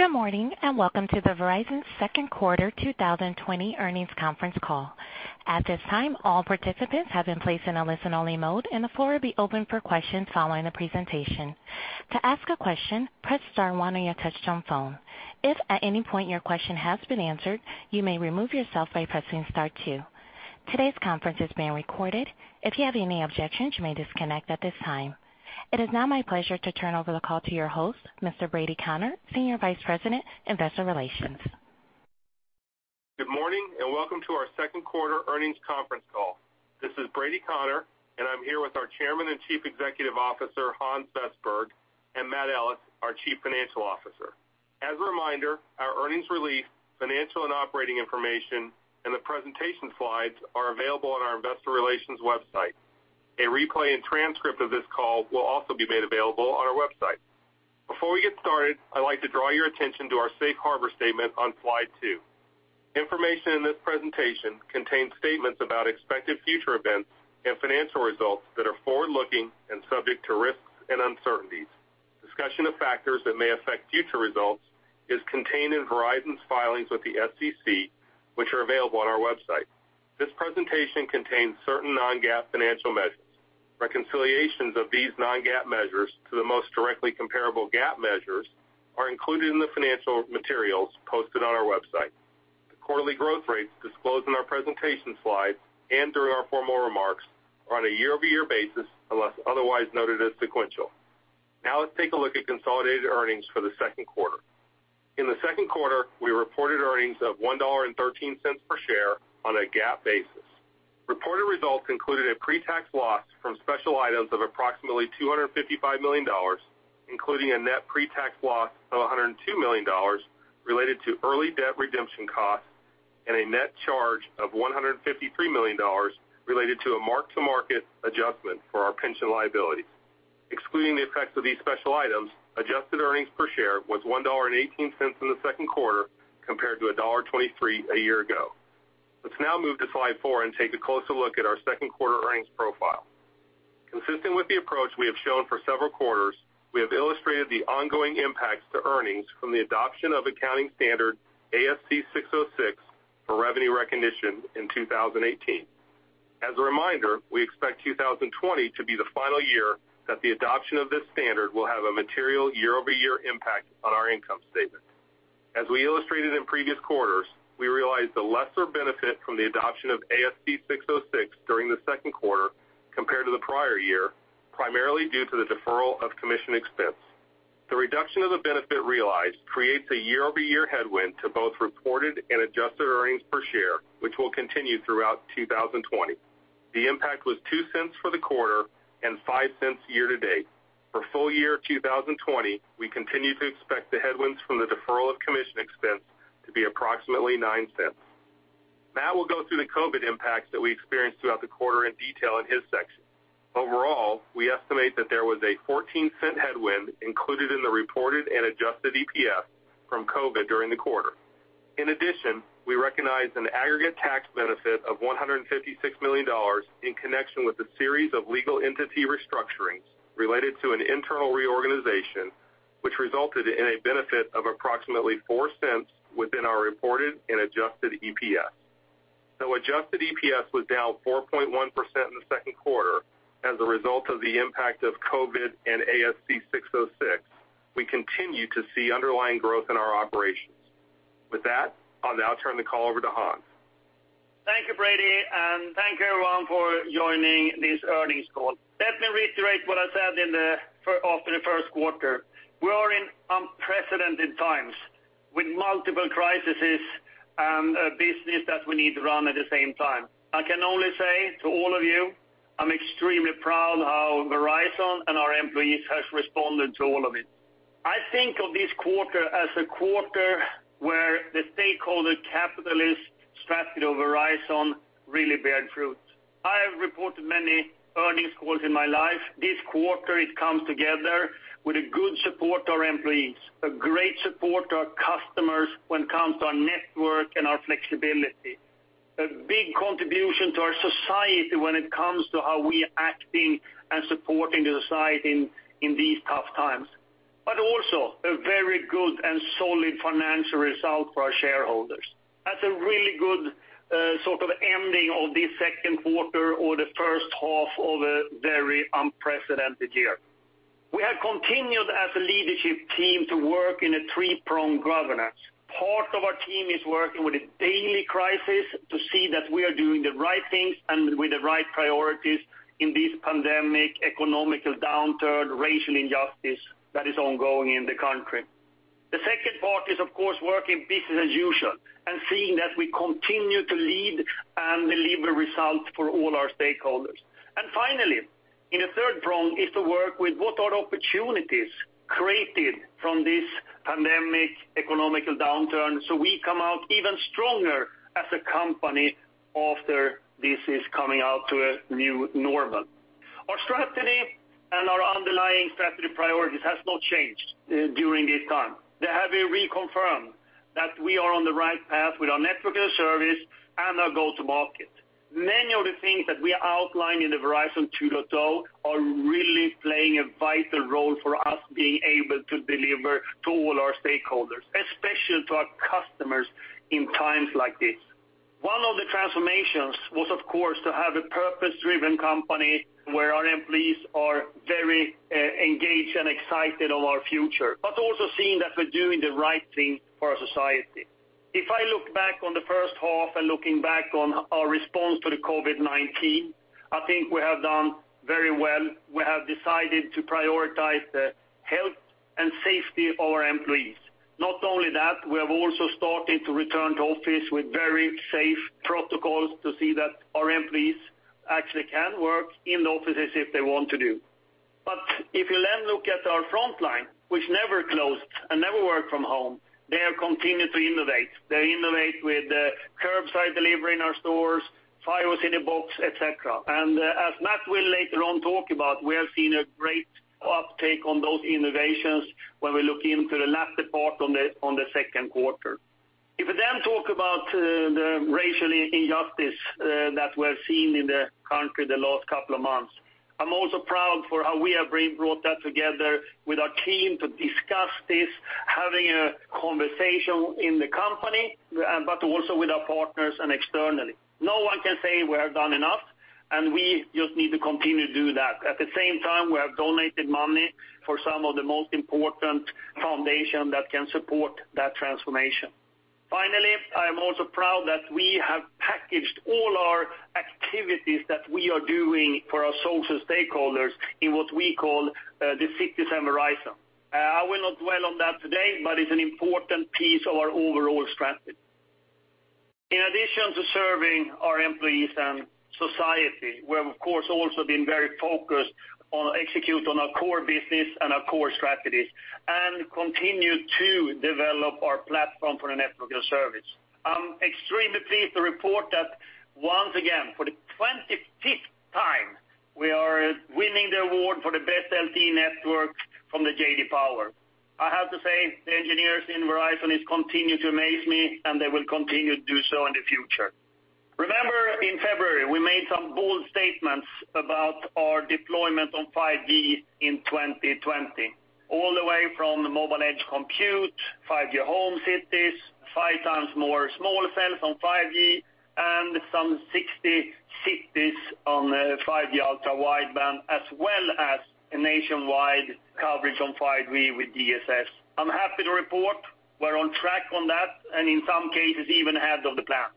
Good morning, welcome to the Verizon second quarter 2020 earnings conference call. At this time, all participants have been placed in a listen-only mode. The floor will be open for questions following the presentation. To ask a question, press star one on your touch-tone phone. If at any point your question has been answered, you may remove yourself by pressing star two. Today's conference is being recorded. If you have any objections, you may disconnect at this time. It is now my pleasure to turn over the call to your host, Mr. Brady Connor, Senior Vice President, Investor Relations. Good morning, and welcome to our second quarter earnings conference call. This is Brady Connor, and I am here with our Chairman and Chief Executive Officer, Hans Vestberg, and Matthew Ellis, our Chief Financial Officer. As a reminder, our earnings release, financial and operating information, and the presentation slides are available on our investor relations website. A replay and transcript of this call will also be made available on our website. Before we get started, I would like to draw your attention to our safe harbor statement on slide two. Information in this presentation contains statements about expected future events and financial results that are forward-looking and subject to risks and uncertainties. Discussion of factors that may affect future results is contained in Verizon's filings with the SEC, which are available on our website. This presentation contains certain non-GAAP financial measures. Reconciliations of these non-GAAP measures to the most directly comparable GAAP measures are included in the financial materials posted on our website. The quarterly growth rates disclosed in our presentation slides and through our formal remarks are on a year-over-year basis, unless otherwise noted as sequential. Now let's take a look at consolidated earnings for the second quarter. In the second quarter, we reported earnings of $1.13 per share on a GAAP basis. Reported results included a pre-tax loss from special items of approximately $255 million, including a net pre-tax loss of $102 million related to early debt redemption costs and a net charge of $153 million related to a mark-to-market adjustment for our pension liability. Excluding the effects of these special items, adjusted earnings per share was $1.18 in the second quarter compared to $1.23 a year ago. Let's now move to slide four and take a closer look at our second quarter earnings profile. Consistent with the approach we have shown for several quarters, we have illustrated the ongoing impacts to earnings from the adoption of accounting standard ASC 606 for revenue recognition in 2018. As a reminder, we expect 2020 to be the final year that the adoption of this standard will have a material year-over-year impact on our income statement. As we illustrated in previous quarters, we realized a lesser benefit from the adoption of ASC 606 during the second quarter compared to the prior year, primarily due to the deferral of commission expense. The reduction of the benefit realized creates a year-over-year headwind to both reported and adjusted earnings per share, which will continue throughout 2020. The impact was $0.02 for the quarter and $0.05 year-to-date. For full year 2020, we continue to expect the headwinds from the deferral of commission expense to be approximately $0.09. Matt will go through the COVID impacts that we experienced throughout the quarter in detail in his section. Overall, we estimate that there was a $0.14 headwind included in the reported and adjusted EPS from COVID during the quarter. In addition, we recognized an aggregate tax benefit of $156 million in connection with a series of legal entity restructurings related to an internal reorganization, which resulted in a benefit of approximately $0.04 within our reported and adjusted EPS. Though adjusted EPS was down 4.1% in the second quarter as a result of the impact of COVID and ASC 606, we continue to see underlying growth in our operations. With that, I'll now turn the call over to Hans. Thank you, Brady, and thank you, everyone, for joining this earnings call. Let me reiterate what I said after the first quarter. We are in unprecedented times with multiple crises and a business that we need to run at the same time. I can only say to all of you, I'm extremely proud how Verizon and our employees has responded to all of it. I think of this quarter as a quarter where the stakeholder capitalist strategy of Verizon really bear fruit. I have reported many earnings calls in my life. This quarter, it comes together with a good support to our employees, a great support to our customers when it comes to our network and our flexibility, a big contribution to our society when it comes to how we are acting and supporting the society in these tough times. Also, a very good and solid financial result for our shareholders. That's a really good sort of ending of this second quarter or the first half of a very unprecedented year. We have continued as a leadership team to work in a three-pronged governance. Part of our team is working with a daily crisis to see that we are doing the right things and with the right priorities in this pandemic economic downturn, racial injustice that is ongoing in the country. The second part is, of course, working business as usual and seeing that we continue to lead and deliver results for all our stakeholders. Finally, in a third prong, is to work with what are opportunities created from this pandemic economic downturn so we come out even stronger as a company after this is coming out to a new normal. Our strategy and our underlying strategy priorities has not changed during this time. They have reconfirmed that we are on the right path with our network as a service and our go to market. Many of the things that we outlined in the Verizon 2.0 are really playing a vital role for us being able to deliver to all our stakeholders, especially to our customers in times like this. One of the transformations was, of course, to have a purpose-driven company where our employees are very engaged and excited of our future, but also seeing that we're doing the right thing for our society. If I look back on the first half and looking back on our response to the COVID-19, I think we have done very well. We have decided to prioritize the health and safety of our employees. We have also started to return to office with very safe protocols to see that our employees actually can work in the offices if they want to do. If you look at our front line, which never closed and never worked from home, they have continued to innovate. They innovate with curbside delivery in our stores, Fios in a Box, et cetera. As Matt will later on talk about, we have seen a great uptake on those innovations when we look into the last report on the second quarter. If we talk about the racial injustice that we're seeing in the country in the last couple of months, I'm also proud for how we have really brought that together with our team to discuss this, having a conversation in the company, but also with our partners and externally. No one can say we have done enough, and we just need to continue to do that. At the same time, we have donated money for some of the most important foundation that can support that transformation. Finally, I am also proud that we have packaged all our activities that we are doing for our social stakeholders in what we call the Citizen Verizon. I will not dwell on that today, but it's an important piece of our overall strategy. In addition to serving our employees and society, we have, of course, also been very focused on execute on our core business and our core strategies and continue to develop our platform for the network and service. I'm extremely pleased to report that once again, for the 25th time, we are winning the award for the best LTE network from the J.D. Power. I have to say, the engineers in Verizon is continue to amaze me, and they will continue to do so in the future. Remember in February, we made some bold statements about our deployment on 5G in 2020, all the way from the Mobile Edge Compute, 5G Home cities, five times more small cells on 5G, and some 60 cities on 5G Ultra Wideband, as well as a nationwide coverage on 5G with DSS. I'm happy to report we're on track on that, and in some cases, even ahead of the plan.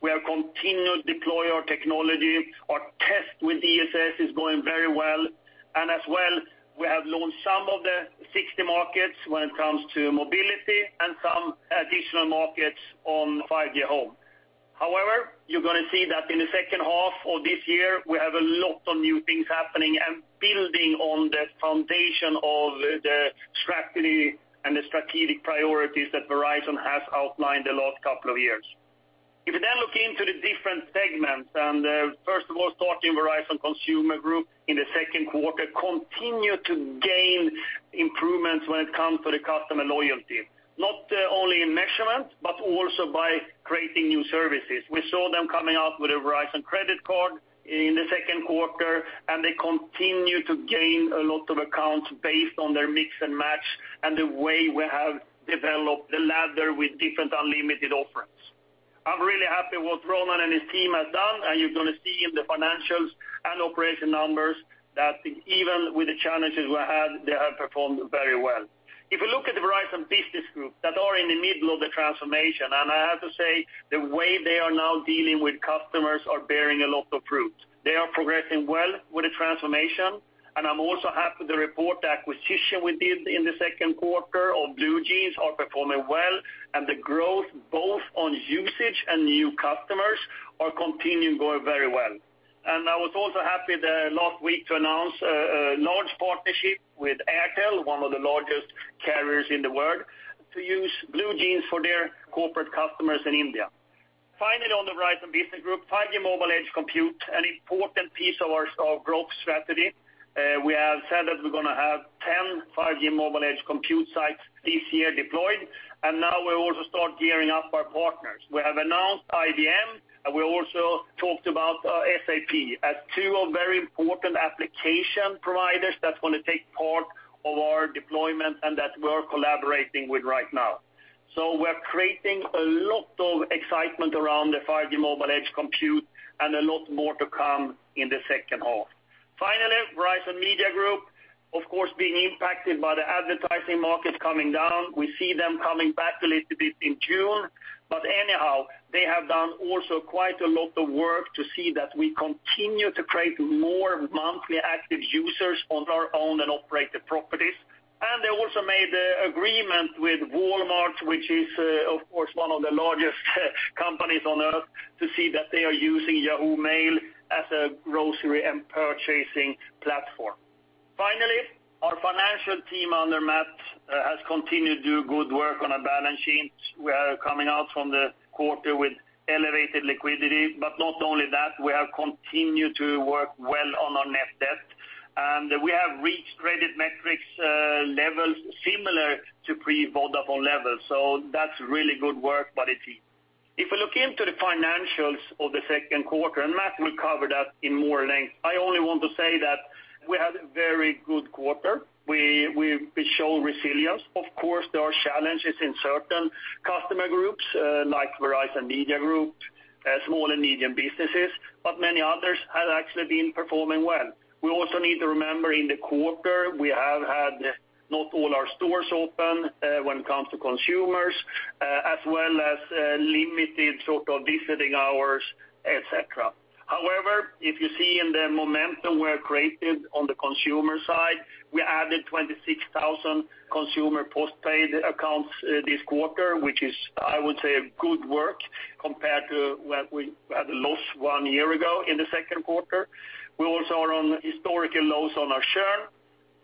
We have continued to deploy our technology. Our test with DSS is going very well. As well, we have launched some of the 60 markets when it comes to mobility and some additional markets on 5G Home. However, you're going to see that in the second half of this year, we have a lot of new things happening and building on the foundation of the strategy and the strategic priorities that Verizon has outlined the last couple of years. You look into the different segments, and first of all, starting Verizon Consumer Group in the second quarter, continue to gain improvements when it comes to the customer loyalty, not the only in measurement, but also by creating new services. We saw them coming out with a Verizon credit card in the second quarter, and they continue to gain a lot of accounts based on their Mix & Match and the way we have developed the ladder with different unlimited offerings. I'm really happy what Ronan and his team have done. You're going to see in the financials and operation numbers that even with the challenges we had, they have performed very well. If you look at the Verizon Business Group that are in the middle of the transformation, I have to say, the way they are now dealing with customers are bearing a lot of fruits. They are progressing well with the transformation. I'm also happy to report the acquisition we did in the second quarter of BlueJeans are performing well. The growth both on usage and new customers are continuing going very well. I was also happy the last week to announce a large partnership with Airtel, one of the largest carriers in the world, to use BlueJeans for their corporate customers in India. Finally, on the Verizon Business Group, 5G Mobile Edge Compute, an important piece of our growth strategy. We have said that we're going to have 10 5G Mobile Edge Compute sites this year deployed, and now we also start gearing up our partners. We have announced IBM, and we also talked about SAP as two of very important application providers that's going to take part of our deployment and that we're collaborating with right now. We're creating a lot of excitement around the 5G Mobile Edge Compute and a lot more to come in the second half. Finally, Verizon Media Group, of course, being impacted by the advertising market coming down. We see them coming back a little bit in June. Anyhow, they have done also quite a lot of work to see that we continue to create more monthly active users on our own and operate the properties. They also made the agreement with Walmart, which is, of course, one of the largest companies on Earth, to see that they are using Yahoo Mail as a grocery and purchasing platform. Finally, our financial team under Matt has continued to do good work on our balance sheets. We are coming out from the quarter with elevated liquidity, but not only that, we have continued to work well on our net debt. We have reached credit metrics levels similar to pre-Vodafone levels. That's really good work by the team. If we look into the financials of the second quarter, and Matt will cover that in more length, I only want to say that we had a very good quarter. We show resilience. Of course, there are challenges in certain customer groups, like Verizon Media Group, small and medium businesses, but many others have actually been performing well. We also need to remember in the quarter, we have had not all our stores open when it comes to consumers, as well as limited visiting hours, et cetera. However, if you see in the momentum we have created on the consumer side, we added 26,000 consumer postpaid accounts this quarter, which is, I would say, good work compared to when we had a loss one year ago in the second quarter. We also are on historical lows on our share.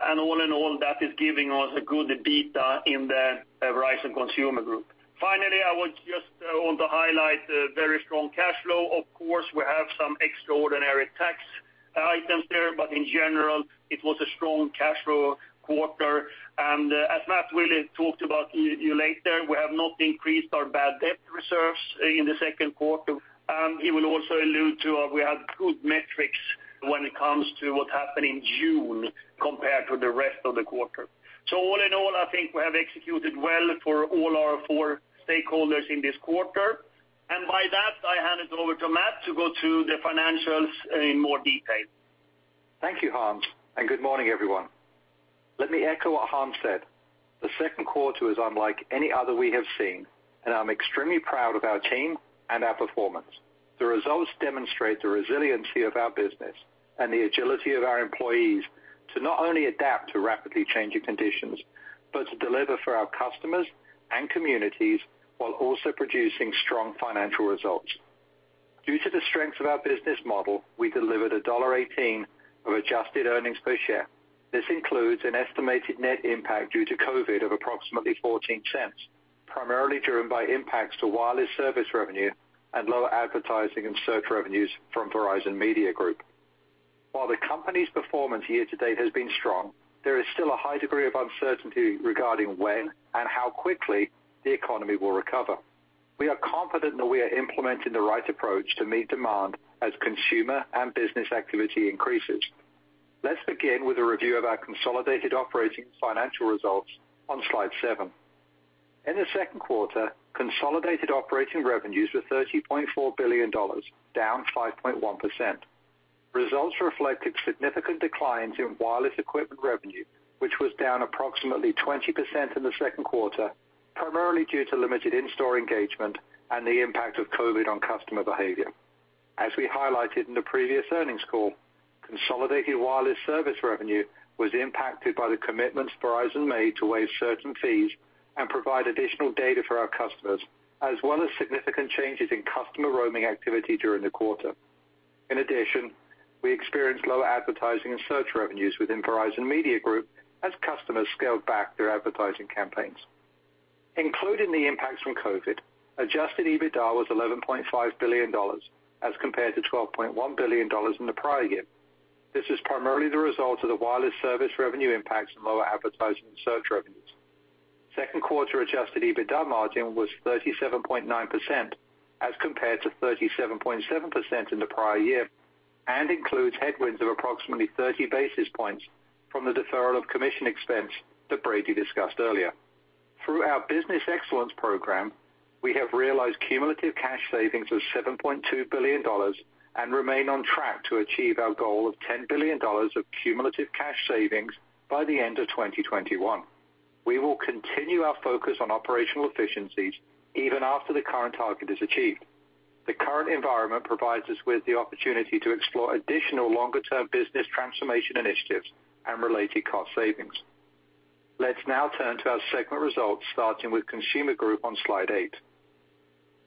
All in all, that is giving us a good EBITDA in the Verizon Consumer Group. Finally, I would just want to highlight the very strong cash flow. Of course, we have some extraordinary tax items there, but in general, it was a strong cash flow quarter. As Matt will talk about a little later, we have not increased our bad debt reserves in the second quarter. He will also allude to how we had good metrics when it comes to what happened in June compared to the rest of the quarter. All in all, I think we have executed well for all our four stakeholders in this quarter. By that, I hand it over to Matt to go through the financials in more detail. Thank you, Hans. Good morning, everyone. Let me echo what Hans said. The second quarter is unlike any other we have seen, and I'm extremely proud of our team and our performance. The results demonstrate the resiliency of our business and the agility of our employees to not only adapt to rapidly changing conditions, but to deliver for our customers and communities while also producing strong financial results. Due to the strength of our business model, we delivered $1.18 of adjusted earnings per share. This includes an estimated net impact due to COVID of approximately $0.14, primarily driven by impacts to wireless service revenue and lower advertising and search revenues from Verizon Media Group. While the company's performance year-to-date has been strong, there is still a high degree of uncertainty regarding when and how quickly the economy will recover. We are confident that we are implementing the right approach to meet demand as consumer and business activity increases. Let's begin with a review of our consolidated operating and financial results on slide seven. In the second quarter, consolidated operating revenues were $30.4 billion, down 5.1%. Results reflected significant declines in wireless equipment revenue, which was down approximately 20% in the second quarter, primarily due to limited in-store engagement and the impact of COVID on customer behavior. As we highlighted in the previous earnings call, consolidated wireless service revenue was impacted by the commitments Verizon made to waive certain fees and provide additional data for our customers, as well as significant changes in customer roaming activity during the quarter. In addition, we experienced lower advertising and search revenues within Verizon Media Group as customers scaled back their advertising campaigns. Including the impacts from COVID, adjusted EBITDA was $11.5 billion, as compared to $12.1 billion in the prior year. This is primarily the result of the wireless service revenue impacts and lower advertising and search revenues. Second quarter adjusted EBITDA margin was 37.9%, as compared to 37.7% in the prior year, and includes headwinds of approximately 30 basis points from the deferral of commission expense that Brady discussed earlier. Through our Business Excellence Program, we have realized cumulative cash savings of $7.2 billion and remain on track to achieve our goal of $10 billion of cumulative cash savings by the end of 2021. We will continue our focus on operational efficiencies even after the current target is achieved. The current environment provides us with the opportunity to explore additional longer-term business transformation initiatives and related cost savings. Let's now turn to our segment results, starting with Consumer Group on slide eight.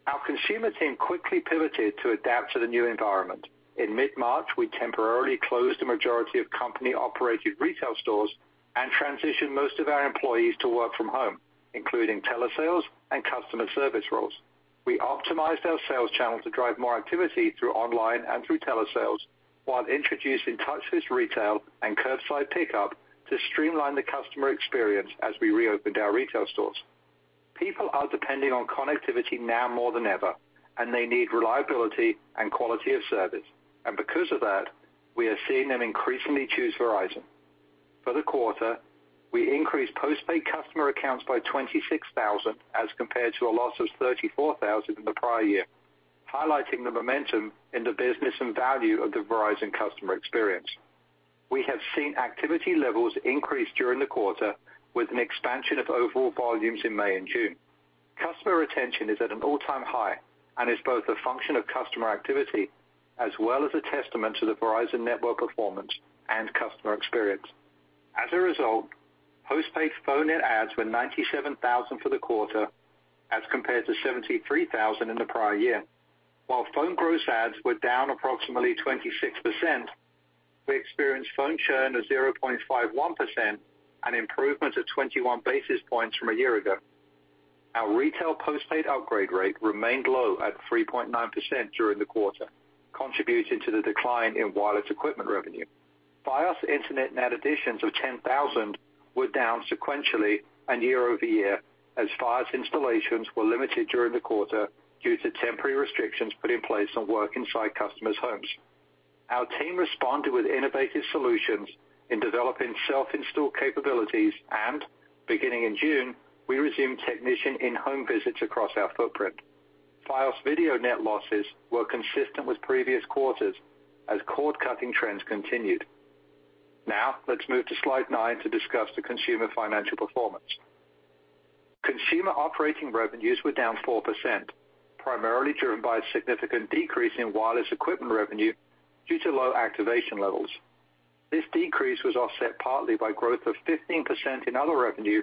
Our consumer team quickly pivoted to adapt to the new environment. In mid-March, we temporarily closed the majority of company-operated retail stores and transitioned most of our employees to work from home, including telesales and customer service roles. We optimized our sales channel to drive more activity through online and through telesales, while introducing touchless retail and curbside pickup to streamline the customer experience as we reopened our retail stores. People are depending on connectivity now more than ever. They need reliability and quality of service. Because of that, we are seeing them increasingly choose Verizon. For the quarter, we increased postpaid customer accounts by 26,000, as compared to a loss of 34,000 in the prior year, highlighting the momentum in the business and value of the Verizon customer experience. We have seen activity levels increase during the quarter with an expansion of overall volumes in May and June. Customer retention is at an all-time high and is both a function of customer activity as well as a testament to the Verizon network performance and customer experience. As a result, postpaid phone net adds were 97,000 for the quarter as compared to 73,000 in the prior year. While phone gross adds were down approximately 26%, we experienced phone churn of 0.51%, an improvement of 21 basis points from a year ago. Our retail postpaid upgrade rate remained low at 3.9% during the quarter, contributing to the decline in wireless equipment revenue. Fios Internet net additions of 10,000 were down sequentially and year-over-year as Fios installations were limited during the quarter due to temporary restrictions put in place on work inside customers' homes. Our team responded with innovative solutions in developing self-install capabilities. Beginning in June, we resumed technician in-home visits across our footprint. Fios Video net losses were consistent with previous quarters as cord-cutting trends continued. Now, let's move to slide nine to discuss the consumer financial performance. Consumer operating revenues were down 4%, primarily driven by a significant decrease in wireless equipment revenue due to low activation levels. This decrease was offset partly by growth of 15% in other revenue,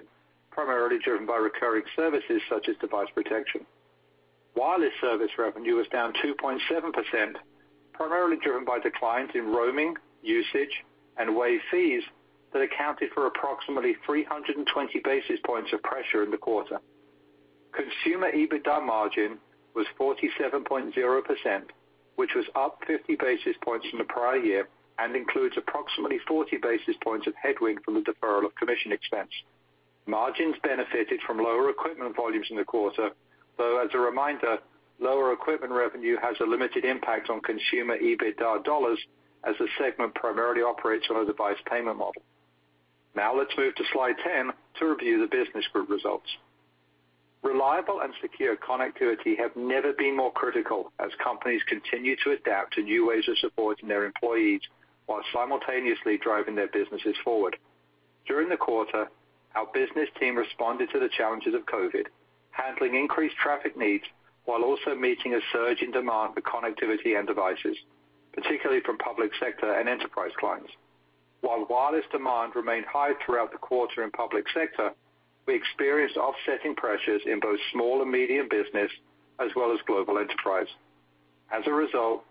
primarily driven by recurring services such as device protection. Wireless service revenue was down 2.7%, primarily driven by declines in roaming, usage, and waived fees that accounted for approximately 320 basis points of pressure in the quarter. Consumer EBITDA margin was 47.0%, which was up 50 basis points from the prior year and includes approximately 40 basis points of headwind from the deferral of commission expense. Margins benefited from lower equipment volumes in the quarter, though, as a reminder, lower equipment revenue has a limited impact on consumer EBITDA dollars as the segment primarily operates on a device payment model. Let's move to slide 10 to review the business group results. Reliable and secure connectivity have never been more critical as companies continue to adapt to new ways of supporting their employees while simultaneously driving their businesses forward. During the quarter, our business team responded to the challenges of COVID, handling increased traffic needs while also meeting a surge in demand for connectivity and devices, particularly from public sector and enterprise clients. Wireless demand remained high throughout the quarter in public sector, we experienced offsetting pressures in both small and medium business as well as global enterprise. As a result,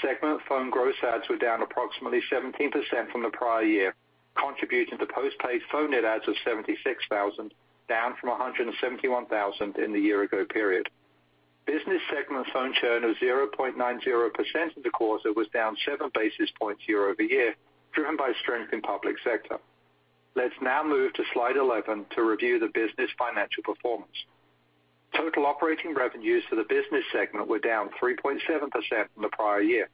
segment phone gross adds were down approximately 17% from the prior year, contributing to postpaid phone net adds of 76,000, down from 171,000 in the year-ago period. Business Segment phone churn of 0.90% in the quarter was down seven basis points year-over-year, driven by strength in public sector. Let's now move to slide 11 to review the Business Segment financial performance. Total operating revenues for the Business Segment were down 3.7% from the prior year.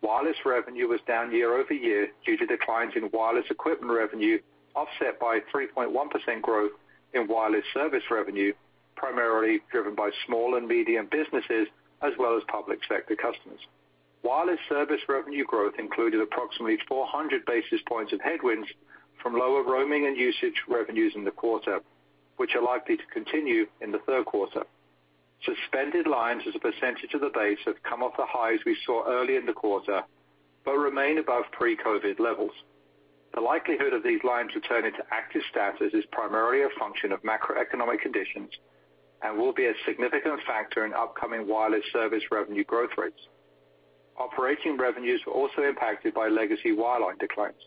Wireless revenue was down year-over-year due to declines in wireless equipment revenue offset by 3.1% growth in wireless service revenue, primarily driven by small and medium businesses as well as public sector customers. Wireless service revenue growth included approximately 400 basis points of headwinds from lower roaming and usage revenues in the quarter, which are likely to continue in the third quarter. Suspended lines as a percentage of the base have come off the highs we saw early in the quarter but remain above pre-COVID levels. The likelihood of these lines returning to active status is primarily a function of macroeconomic conditions and will be a significant factor in upcoming wireless service revenue growth rates. Operating revenues were also impacted by legacy wireline declines.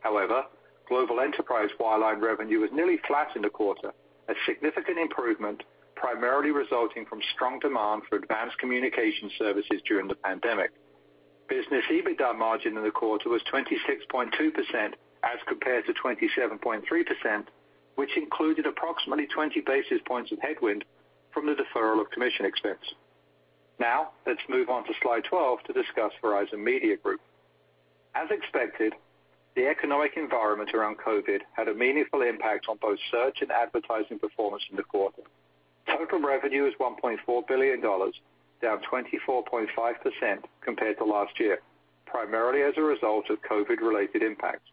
However, global enterprise wireline revenue was nearly flat in the quarter, a significant improvement primarily resulting from strong demand for advanced communication services during the pandemic. Business EBITDA margin in the quarter was 26.2% as compared to 27.3%, which included approximately 20 basis points of headwind from the deferral of commission expense. Let's move on to slide 12 to discuss Verizon Media Group. As expected, the economic environment around COVID had a meaningful impact on both search and advertising performance in the quarter. Total revenue is $1.4 billion, down 24.5% compared to last year, primarily as a result of COVID-related impacts.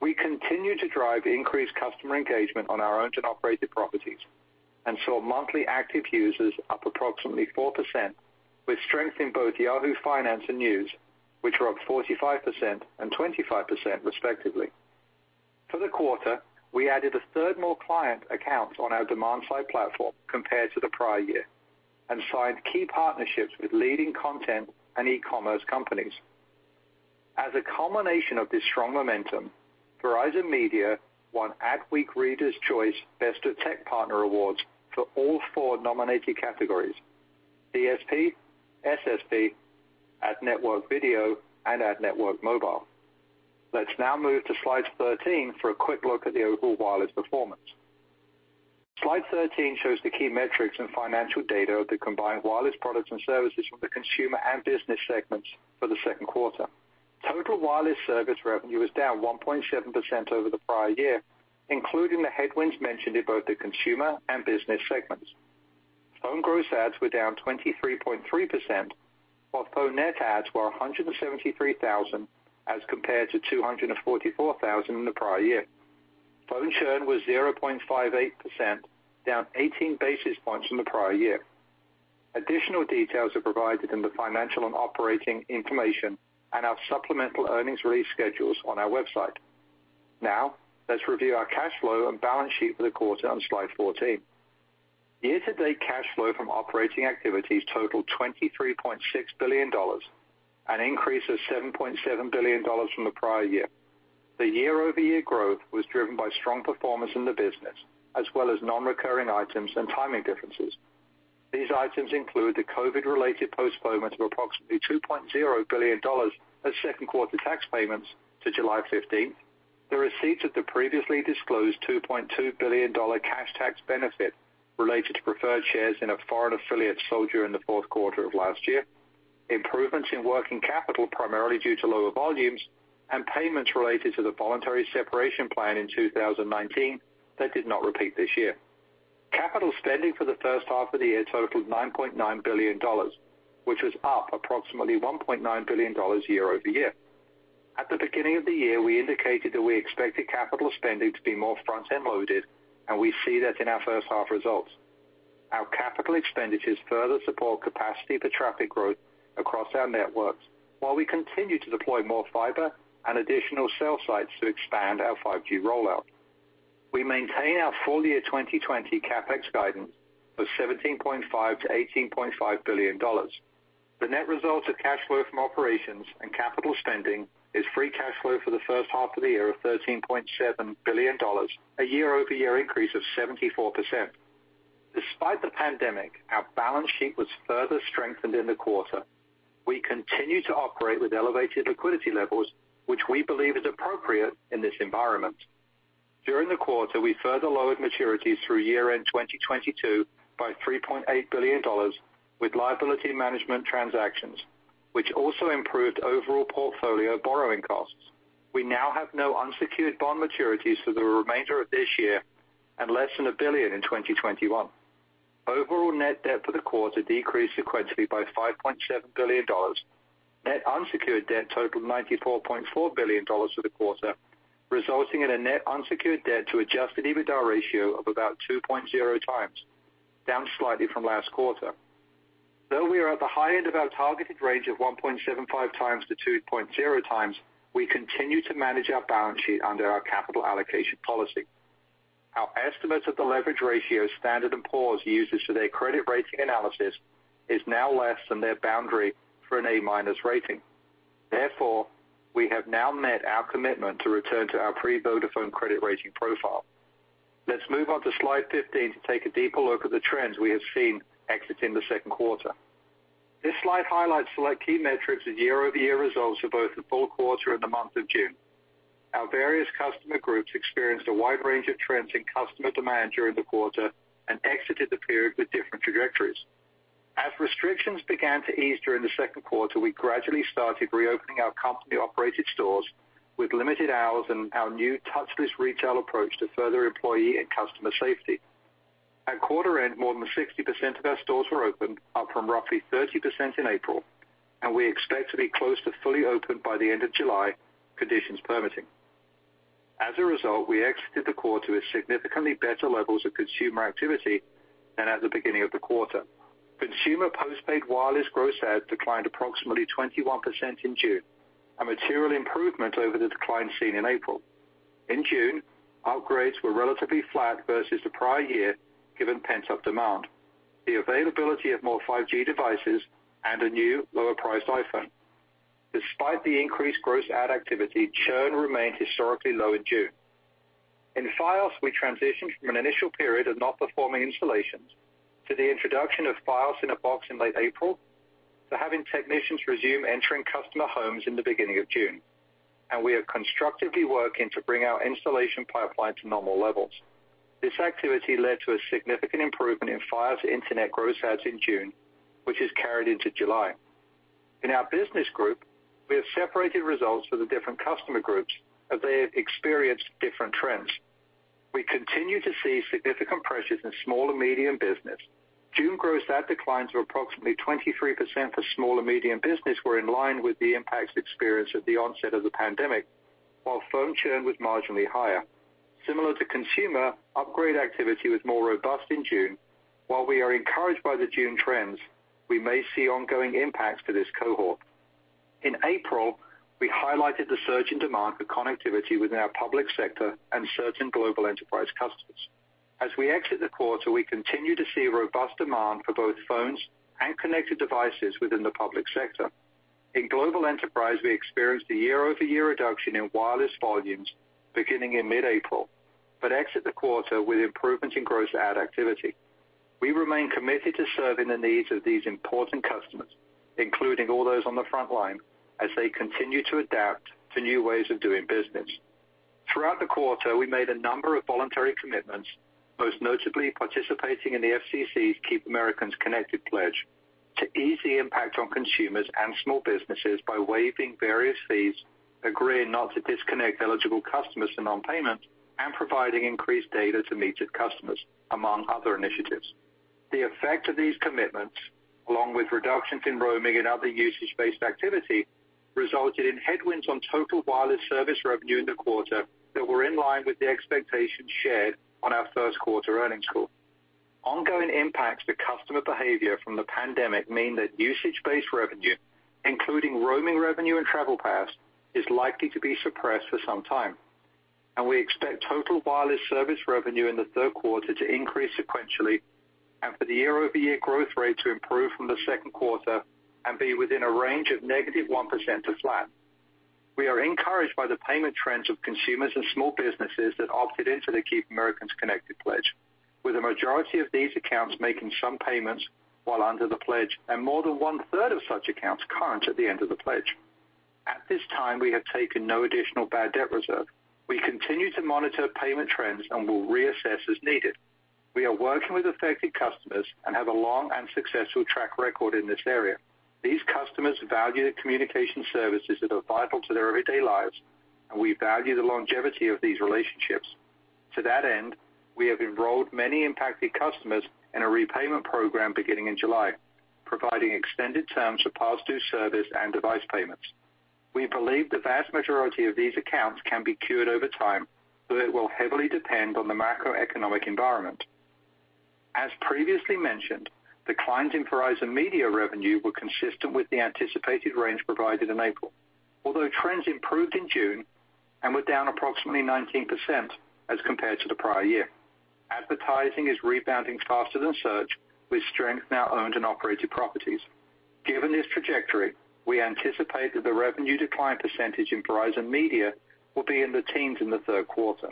We continue to drive increased customer engagement on our owned and operated properties and saw monthly active users up approximately 4%, with strength in both Yahoo Finance and News, which were up 45% and 25% respectively. For the quarter, we added a third more client accounts on our demand side platform compared to the prior year and signed key partnerships with leading content and e-commerce companies. As a culmination of this strong momentum, Verizon Media won Adweek Reader's Choice Best of Tech Partner awards for all four nominated categories, DSP, SSP, Ad Network Video, and Ad Network Mobile. Let's now move to slide 13 for a quick look at the overall wireless performance. Slide 13 shows the key metrics and financial data of the combined wireless products and services from the consumer and business segments for the second quarter. Total wireless service revenue was down 1.7% over the prior year, including the headwinds mentioned in both the consumer and business segments. Phone gross adds were down 23.3%, while phone net adds were 173,000 as compared to 244,000 in the prior year. Phone churn was 0.58%, down 18 basis points from the prior year. Additional details are provided in the financial and operating information and our supplemental earnings release schedules on our website. Let's review our cash flow and balance sheet for the quarter on slide 14. Year-to-date cash flow from operating activities totaled $23.6 billion, an increase of $7.7 billion from the prior year. The year-over-year growth was driven by strong performance in the business, as well as non-recurring items and timing differences. These items include the COVID-related postponement of approximately $2.0 billion of second quarter tax payments to July 15th, the receipt of the previously disclosed $2.2 billion cash tax benefit related to preferred shares in a foreign affiliate sold in the fourth quarter of last year, improvements in working capital, primarily due to lower volumes, and payments related to the voluntary separation plan in 2019 that did not repeat this year. Capital spending for the first half of the year totaled $9.9 billion, which was up approximately $1.9 billion year-over-year. At the beginning of the year, we indicated that we expected capital spending to be more front-end loaded. We see that in our first half results. Our capital expenditures further support capacity for traffic growth across our networks, while we continue to deploy more fiber and additional cell sites to expand our 5G rollout. We maintain our full-year 2020 CapEx guidance of $17.5 billion-$18.5 billion. The net results of cash flow from operations and capital spending is free cash flow for the first half of the year of $13.7 billion, a year-over-year increase of 74%. Despite the pandemic, our balance sheet was further strengthened in the quarter. We continue to operate with elevated liquidity levels, which we believe is appropriate in this environment. During the quarter, we further lowered maturities through year-end 2022 by $3.8 billion with liability management transactions, which also improved overall portfolio borrowing costs. We now have no unsecured bond maturities for the remainder of this year and less than $1 billion in 2021. Overall net debt for the quarter decreased sequentially by $5.7 billion. Net unsecured debt totaled $94.4 billion for the quarter, resulting in a net unsecured debt to adjusted EBITDA ratio of about 2.0 times, down slightly from last quarter. Though we are at the high end of our targeted range of 1.75 times to 2.0 times, we continue to manage our balance sheet under our capital allocation policy. Our estimates of the leverage ratio Standard & Poor's uses for their credit rating analysis is now less than their boundary for an A-minus rating. We have now met our commitment to return to our pre-Vodafone credit rating profile. Let's move on to slide 15 to take a deeper look at the trends we have seen exiting the second quarter. This slide highlights select key metrics and year-over-year results for both the full quarter and the month of June. Our various Consumer customer groups experienced a wide range of trends in customer demand during the quarter and exited the period with different trajectories. As restrictions began to ease during the second quarter, we gradually started reopening our company-operated stores with limited hours and our new touchless retail approach to further employee and customer safety. At quarter end, more than 60% of our stores were open, up from roughly 30% in April, and we expect to be close to fully open by the end of July, conditions permitting. As a result, we exited the quarter with significantly better levels of Consumer activity than at the beginning of the quarter. Consumer postpaid wireless gross adds declined approximately 21% in June, a material improvement over the decline seen in April. In June, upgrades were relatively flat versus the prior year, given pent-up demand, the availability of more 5G devices, and a new lower-priced iPhone. Despite the increased gross add activity, churn remained historically low in June. In Fios, we transitioned from an initial period of not performing installations to the introduction of Fios in a Box in late April, to having technicians resume entering customer homes in the beginning of June. We are constructively working to bring our installation pipeline to normal levels. This activity led to a significant improvement in Fios Internet gross adds in June, which has carried into July. In our Business Group, we have separated results for the different customer groups as they have experienced different trends. We continue to see significant pressures in small and medium business. June gross add declines of approximately 23% for small and medium business were in line with the impacts experienced at the onset of the pandemic, while phone churn was marginally higher. Similar to consumer, upgrade activity was more robust in June. While we are encouraged by the June trends, we may see ongoing impacts to this cohort. In April, we highlighted the surge in demand for connectivity within our public sector and certain global enterprise customers. As we exit the quarter, we continue to see robust demand for both phones and connected devices within the public sector. In global enterprise, we experienced a year-over-year reduction in wireless volumes beginning in mid-April, but exit the quarter with improvements in gross add activity. We remain committed to serving the needs of these important customers, including all those on the front line, as they continue to adapt to new ways of doing business. Throughout the quarter, we made a number of voluntary commitments, most notably participating in the FCC's Keep Americans Connected Pledge to ease the impact on consumers and small businesses by waiving various fees, agreeing not to disconnect eligible customers for non-payment, and providing increased data to meet with customers, among other initiatives. The effect of these commitments, along with reductions in roaming and other usage-based activity, resulted in headwinds on total wireless service revenue in the quarter that were in line with the expectations shared on our first quarter earnings call. Ongoing impacts to customer behavior from the pandemic mean that usage-based revenue, including roaming revenue and TravelPass, is likely to be suppressed for some time. We expect total wireless service revenue in the third quarter to increase sequentially, and for the year-over-year growth rate to improve from the second quarter and be within a range of negative 1% to flat. We are encouraged by the payment trends of consumers and small businesses that opted into the Keep Americans Connected Pledge, with a majority of these accounts making some payments while under the Pledge, and more than one-third of such accounts current at the end of the Pledge. At this time, we have taken no additional bad debt reserve. We continue to monitor payment trends and will reassess as needed. We are working with affected customers and have a long and successful track record in this area. These customers value the communication services that are vital to their everyday lives, and we value the longevity of these relationships. To that end, we have enrolled many impacted customers in a repayment program beginning in July, providing extended terms for past-due service and device payments. We believe the vast majority of these accounts can be cured over time, though it will heavily depend on the macroeconomic environment. As previously mentioned, declines in Verizon Media revenue were consistent with the anticipated range provided in April. Although trends improved in June and were down approximately 19% as compared to the prior year. Advertising is rebounding faster than search, with strength in our owned and operated properties. Given this trajectory, we anticipate that the revenue decline percentage in Verizon Media will be in the teens in the third quarter.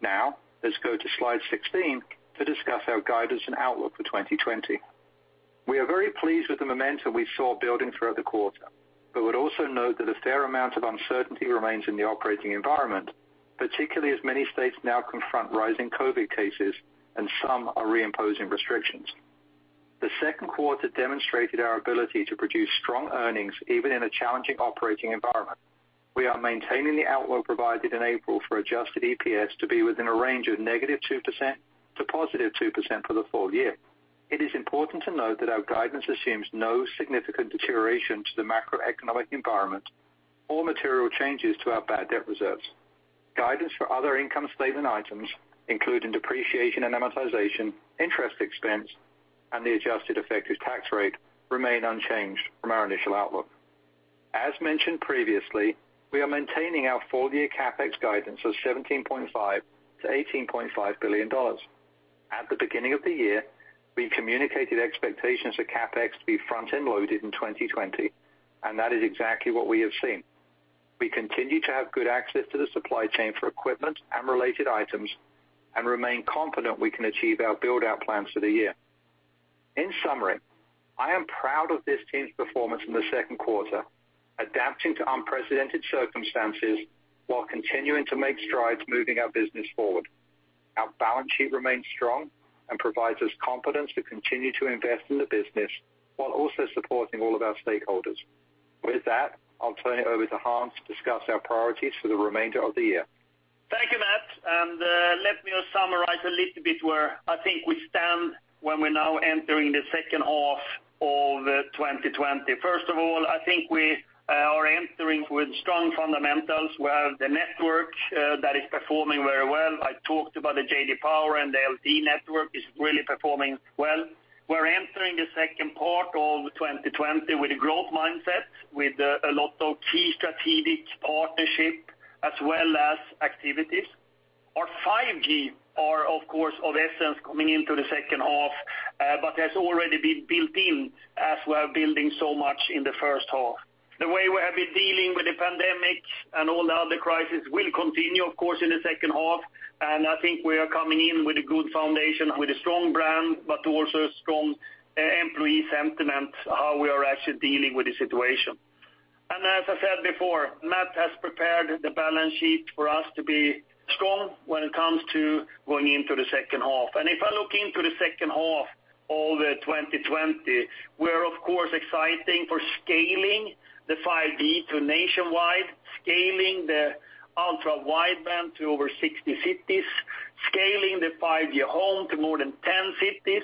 Now, let's go to slide 16 to discuss our guidance and outlook for 2020. Would also note that a fair amount of uncertainty remains in the operating environment, particularly as many states now confront rising COVID cases and some are reimposing restrictions. The second quarter demonstrated our ability to produce strong earnings even in a challenging operating environment. We are maintaining the outlook provided in April for adjusted EPS to be within a range of -2% to +2% for the full year. It is important to note that our guidance assumes no significant deterioration to the macroeconomic environment or material changes to our bad debt reserves. Guidance for other income statement items, including depreciation and amortization, interest expense, and the adjusted effective tax rate, remain unchanged from our initial outlook. As mentioned previously, we are maintaining our full-year CapEx guidance of $17.5 billion-$18.5 billion. At the beginning of the year, we communicated expectations for CapEx to be front-end loaded in 2020, and that is exactly what we have seen. We continue to have good access to the supply chain for equipment and related items and remain confident we can achieve our build-out plans for the year. In summary, I am proud of this team's performance in the second quarter, adapting to unprecedented circumstances while continuing to make strides moving our business forward. Our balance sheet remains strong and provides us confidence to continue to invest in the business while also supporting all of our stakeholders. With that, I'll turn it over to Hans to discuss our priorities for the remainder of the year. Thank you, Matt. Let me summarize a little bit where I think we stand when we're now entering the second half of 2020. First of all, I think we are entering with strong fundamentals. We have the network that is performing very well. I talked about the J.D. Power, and the LTE network is really performing well. We're entering the second part of 2020 with a growth mindset, with a lot of key strategic partnership as well as activities. Our 5G are, of course, of essence coming into the second half, but has already been built in as we are building so much in the first half. The way we have been dealing with the pandemic and all the other crises will continue, of course, in the second half. I think we are coming in with a good foundation, with a strong brand, but also a strong employee sentiment, how we are actually dealing with the situation. As I said before, Matthew Ellis has prepared the balance sheet for us to be strong when it comes to going into the second half. If I look into the second half of 2020, we are of course exciting for scaling the 5G to nationwide, scaling the Ultra Wideband to over 60 cities, scaling the 5G Home to more than 10 cities,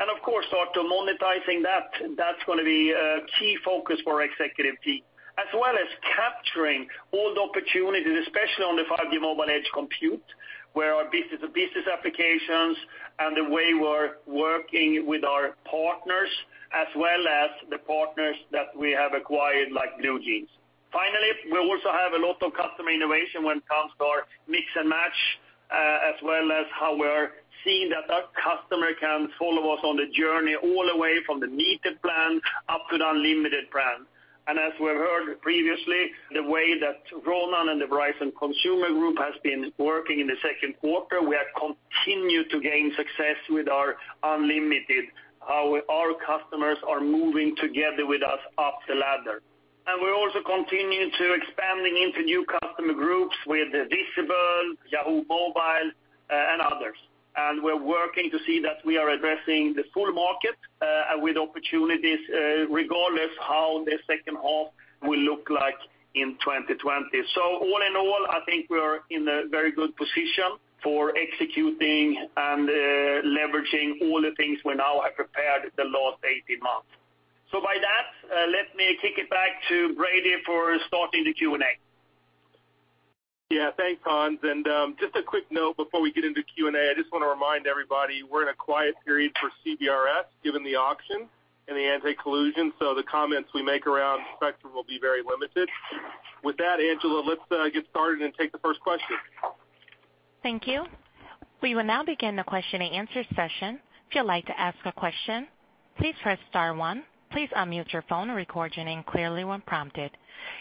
and of course, start to monetizing that. That's going to be a key focus for our executive team. As well as capturing all the opportunities, especially on the 5G Mobile Edge Compute, where our business-to-business applications and the way we're working with our partners, as well as the partners that we have acquired, like BlueJeans. Finally, we also have a lot of customer innovation when it comes to our Mix & Match, as well as how we're seeing that our customer can follow us on the journey all the way from the needed plan up to the unlimited plan. As we heard previously, the way that Ronan and the Verizon Consumer Group has been working in the second quarter, we have continued to gain success with our unlimited, how our customers are moving together with us up the ladder. We also continue to expanding into new customer groups with Visible, Yahoo Mobile, and others. We're working to see that we are addressing the full market with opportunities regardless how the second half will look like in 2020. All in all, I think we're in a very good position for executing and leveraging all the things we now have prepared the last 18 months. With that, let me kick it back to Brady for starting the Q&A. Yeah, thanks, Hans. A quick note before we get into Q&A, I just want to remind everybody we're in a quiet period for CBRS, given the auction and the anti-collusion, so the comments we make around spectrum will be very limited. With that, Angela, let's get started and take the first question. Thank you. We will now begin the question and answer session. If you'd like to ask a question, please press *1. Please unmute your phone and record your name clearly when prompted.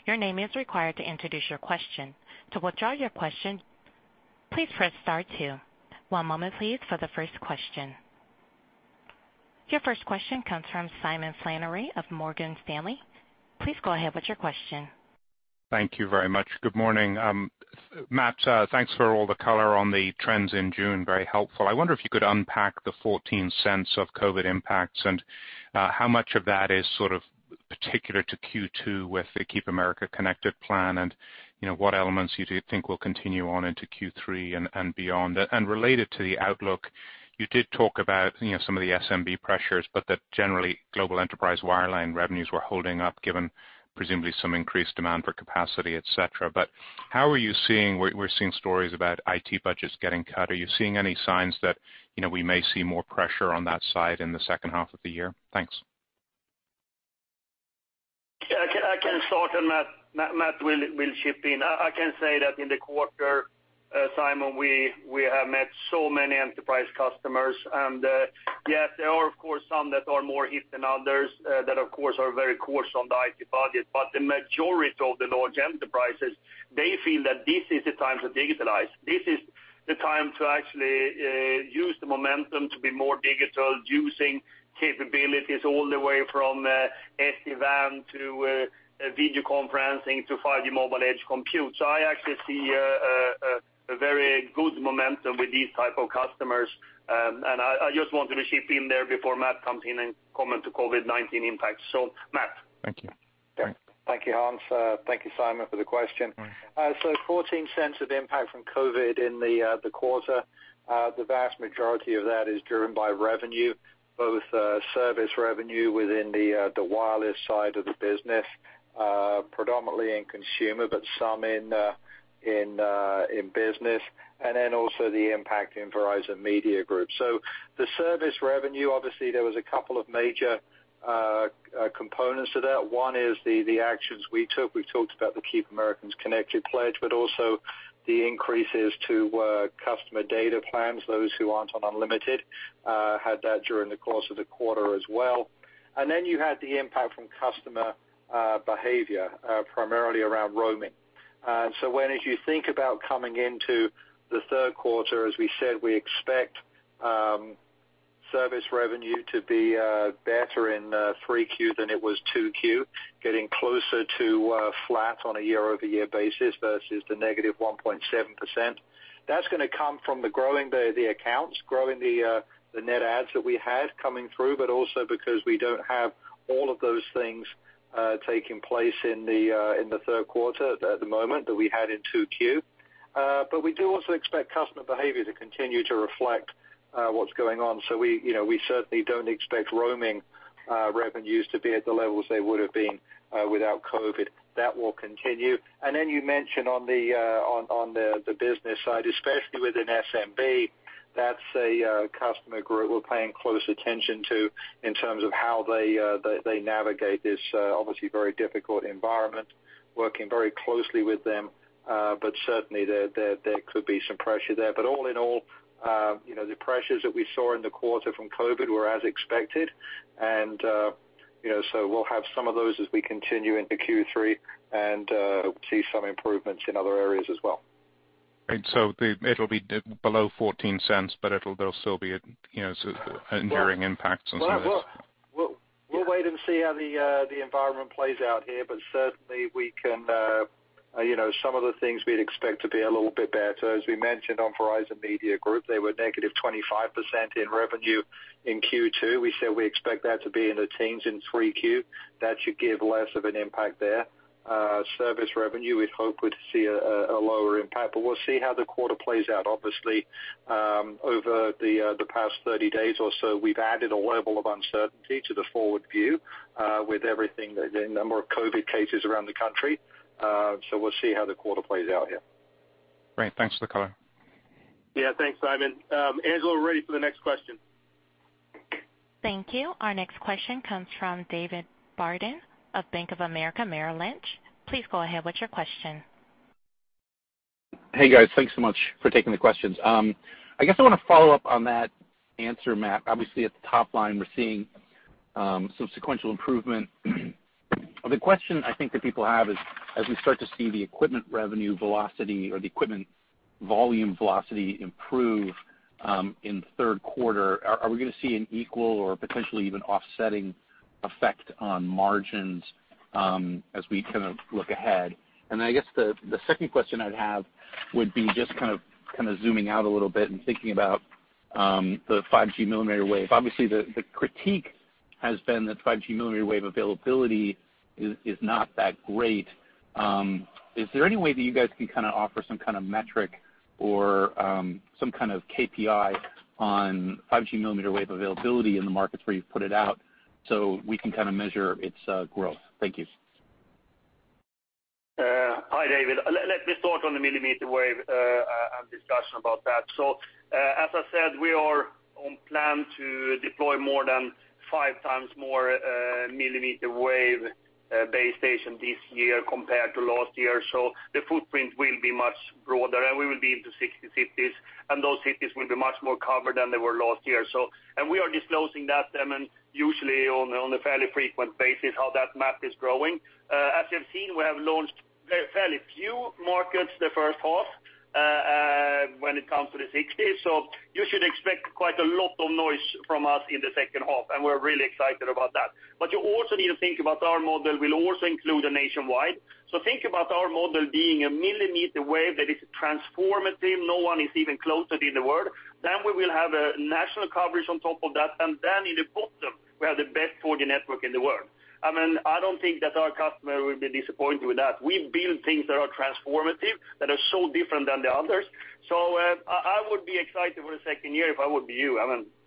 Your name is required to introduce your question. To withdraw your question, please press *2. One moment, please, for the first question. Your first question comes from Simon Flannery of Morgan Stanley. Please go ahead with your question. Thank you very much. Good morning. Matt, thanks for all the color on the trends in June, very helpful. I wonder if you could unpack the $0.14 of COVID impacts and how much of that is sort of particular to Q2 with the Keep Americans Connected Pledge and what elements you think will continue on into Q3 and beyond. Related to the outlook, you did talk about some of the SMB pressures, that generally, global enterprise wireline revenues were holding up, given presumably some increased demand for capacity, et cetera. We're seeing stories about IT budgets getting cut. Are you seeing any signs that we may see more pressure on that side in the second half of the year? Thanks. I can start on that. Matt will chip in. I can say that in the quarter, Simon, we have met so many enterprise customers. Yes, there are, of course, some that are more hit than others that, of course, are very cautious on the IT budget. The majority of the large enterprises, they feel that this is the time to digitalize. This is the time to actually use the momentum to be more digital, using capabilities all the way from SD-WAN to video conferencing to 5G Mobile Edge Compute. I actually see a very good momentum with these type of customers. I just wanted to chip in there before Matt comes in and comment to COVID-19 impacts. Matt. Thank you. Thank you, Hans. Thank you, Simon, for the question. $0.14 of impact from COVID in the quarter. The vast majority of that is driven by revenue, both service revenue within the wireless side of the business, predominantly in consumer, but some in business, and then also the impact in Verizon Media Group. The service revenue, obviously, there was a couple of major components to that. One is the actions we took. We've talked about the Keep Americans Connected Pledge, but also the increases to customer data plans. Those who aren't on unlimited had that during the course of the quarter as well. And then you had the impact from customer behavior, primarily around roaming. When you think about coming into the third quarter, as we said, we expect service revenue to be better in Q3 than it was Q2, getting closer to flat on a year-over-year basis versus the -1.7%. That's going to come from the growing the accounts, growing the net adds that we had coming through, but also because we don't have all of those things taking place in the third quarter at the moment that we had in Q2. We do also expect customer behavior to continue to reflect what's going on. We certainly don't expect roaming revenues to be at the levels they would have been without COVID. That will continue. You mentioned on the business side, especially within SMB, that's a customer group we're paying close attention to in terms of how they navigate this obviously very difficult environment, working very closely with them. Certainly, there could be some pressure there. All in all, the pressures that we saw in the quarter from COVID were as expected. We'll have some of those as we continue into Q3 and hope to see some improvements in other areas as well. It'll be below $0.14, but there'll still be an enduring impact on some of these. We'll wait and see how the environment plays out here, but certainly some of the things we'd expect to be a little bit better. As we mentioned on Verizon Media Group, they were negative 25% in revenue in Q2. We said we expect that to be in the teens in Q3. That should give less of an impact there. Service revenue, we'd hope we'd see a lower impact, but we'll see how the quarter plays out. Obviously, over the past 30 days or so, we've added a level of uncertainty to the forward view with everything, the number of COVID cases around the country. We'll see how the quarter plays out here. Great. Thanks for the color. Yeah. Thanks, Simon. Angela, we're ready for the next question. Thank you. Our next question comes from David Barden of Bank of America Merrill Lynch. Please go ahead with your question. Hey, guys. Thanks so much for taking the questions. I guess I want to follow up on that answer, Matt. Obviously, at the top line, we're seeing some sequential improvement. The question I think that people have is, as we start to see the equipment revenue velocity or the equipment volume velocity improve in third quarter, are we going to see an equal or potentially even offsetting effect on margins as we kind of look ahead? I guess the second question I'd have would be just kind of zooming out a little bit and thinking about the 5G millimeter wave. Obviously, the critique has been that 5G millimeter wave availability is not that great. Is there any way that you guys can offer some kind of metric or some kind of KPI on 5G millimeter wave availability in the markets where you've put it out so we can measure its growth? Thank you. Hi, David. Let me start on the millimeter wave and discussion about that. As I said, we are on plan to deploy more than five times more millimeter wave base station this year compared to last year. The footprint will be much broader, and we will be into 60 cities, and those cities will be much more covered than they were last year. And we are disclosing that, and usually on a fairly frequent basis, how that map is growing. As you have seen, we have launched fairly few markets the first half when it comes to the 60. You should expect quite a lot of noise from us in the second half, and we're really excited about that. You also need to think about our model will also include a nationwide. Think about our model being a millimeter wave that is transformative, no one is even closer in the world. We will have a national coverage on top of that, and then in the bottom, we have the best 4G network in the world. I don't think that our customer will be disappointed with that. We build things that are transformative, that are so different than the others. I would be excited for the second year if I would be you.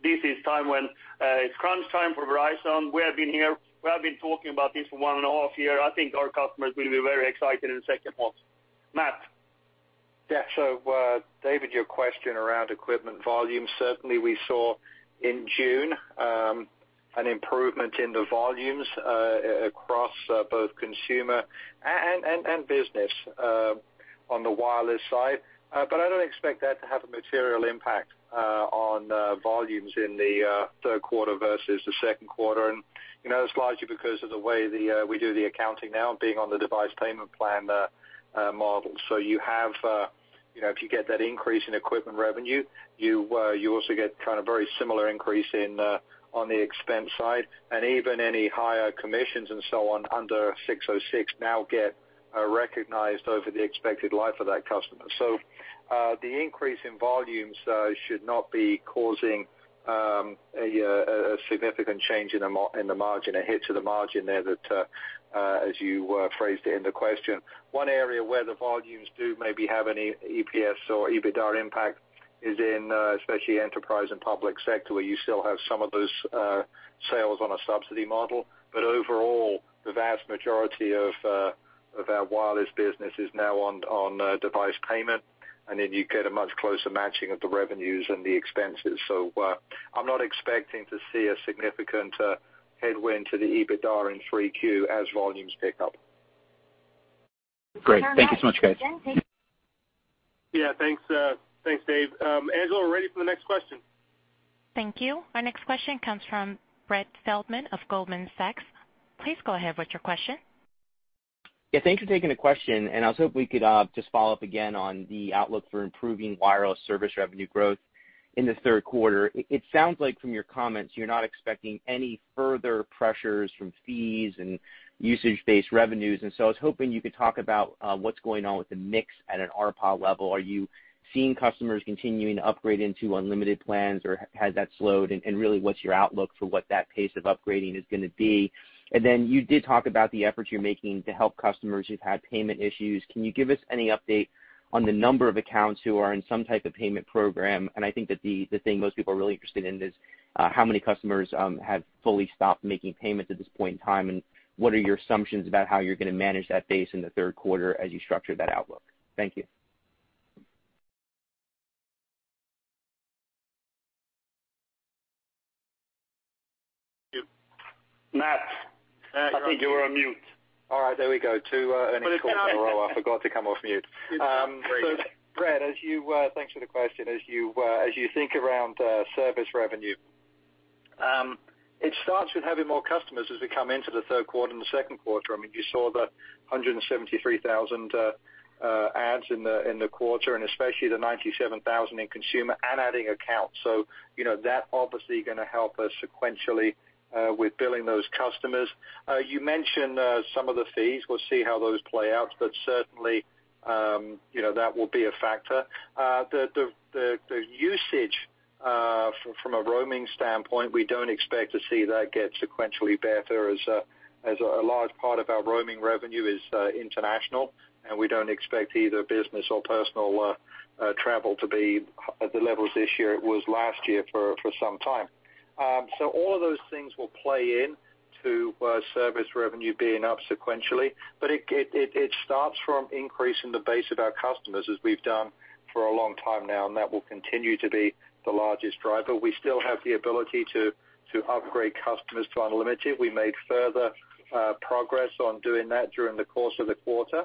This is time when it's crunch time for Verizon. We have been here, we have been talking about this for one and a half year. I think our customers will be very excited in the second half. Matt? Yeah. David, your question around equipment volume. Certainly, we saw in June an improvement in the volumes across both consumer and business on the wireless side. I don't expect that to have a material impact on volumes in the third quarter versus the second quarter. That's largely because of the way we do the accounting now, being on the device payment plan model. If you get that increase in equipment revenue, you also get very similar increase on the expense side, and even any higher commissions and so on under 606 now get recognized over the expected life of that customer. The increase in volumes should not be causing a significant change in the margin, a hit to the margin there that as you phrased it in the question. One area where the volumes do maybe have any EPS or EBITDA impact is in especially enterprise and public sector, where you still have some of those sales on a subsidy model. Overall, the vast majority of our wireless business is now on device payment, and then you get a much closer matching of the revenues and the expenses. I'm not expecting to see a significant headwind to the EBITDA in 3Q as volumes pick up. Great. Thank you so much, guys. Yeah, thanks. Thanks, Dave. Angela, we're ready for the next question. Thank you. Our next question comes from Brett Feldman of Goldman Sachs. Please go ahead with your question. Yeah, thanks for taking the question. I was hoping we could just follow up again on the outlook for improving wireless service revenue growth in the third quarter. It sounds like from your comments, you're not expecting any further pressures from fees and usage-based revenues. I was hoping you could talk about what's going on with the mix at an ARPA level. Are you seeing customers continuing to upgrade into unlimited plans or has that slowed? Really what's your outlook for what that pace of upgrading is going to be? You did talk about the efforts you're making to help customers who've had payment issues. Can you give us any update on the number of accounts who are in some type of payment program? I think that the thing most people are really interested in is, how many customers have fully stopped making payments at this point in time, and what are your assumptions about how you're going to manage that base in the third quarter as you structure that outlook? Thank you. Matt, I think you were on mute. All right, there we go. Two earnings calls in a row, I forgot to come off mute. Brett, thanks for the question. You think around service revenue, it starts with having more customers as we come into the third quarter and the second quarter. You saw the 173,000 adds in the quarter and especially the 97,000 in consumer and adding accounts. That obviously going to help us sequentially with billing those customers. You mentioned some of the fees. We'll see how those play out, but certainly that will be a factor. The usage from a roaming standpoint, we don't expect to see that get sequentially better as a large part of our roaming revenue is international, and we don't expect either business or personal travel to be at the levels this year it was last year for some time. All of those things will play in to service revenue being up sequentially, but it starts from increasing the base of our customers as we've done for a long time now, and that will continue to be the largest driver. We still have the ability to upgrade customers to unlimited. We made further progress on doing that during the course of the quarter.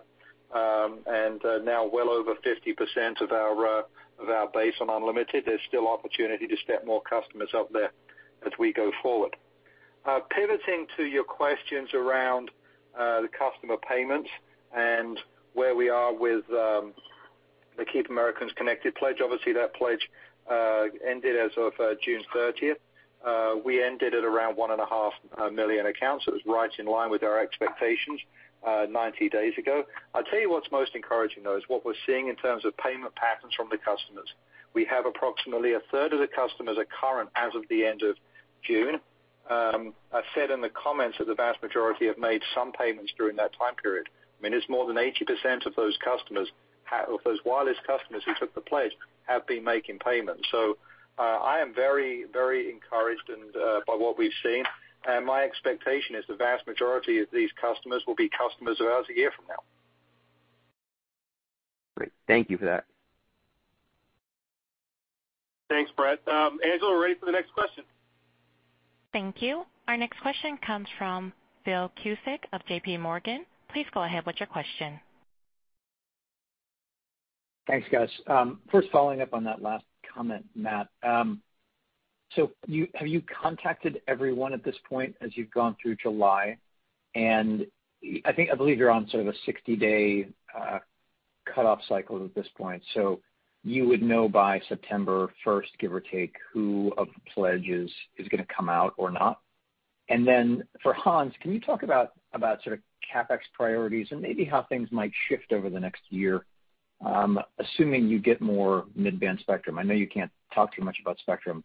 Now well over 50% of our base on unlimited, there's still opportunity to step more customers up there as we go forward. Pivoting to your questions around the customer payments and where we are with the Keep Americans Connected Pledge. Obviously, that Pledge ended as of June 30th. We ended at around 1.5 million accounts. It was right in line with our expectations 90 days ago. I'll tell you what's most encouraging, though, is what we're seeing in terms of payment patterns from the customers. We have approximately a third of the customers are current as of the end of June. I said in the comments that the vast majority have made some payments during that time period. It's more than 80% of those wireless customers who took the Pledge have been making payments. I am very encouraged by what we've seen, and my expectation is the vast majority of these customers will be customers of ours a year from now. Thank you for that. Thanks, Brett. Angela, we're ready for the next question. Thank you. Our next question comes from Phil Cusick of JPMorgan. Please go ahead with your question. Thanks, guys. First, following up on that last comment, Matt. Have you contacted everyone at this point as you've gone through July? I believe you're on sort of a 60-day cutoff cycle at this point. You would know by September 1st, give or take, who of the Pledges is going to come out or not. For Hans, can you talk about CapEx priorities and maybe how things might shift over the next year, assuming you get more mid-band spectrum? I know you can't talk too much about spectrum,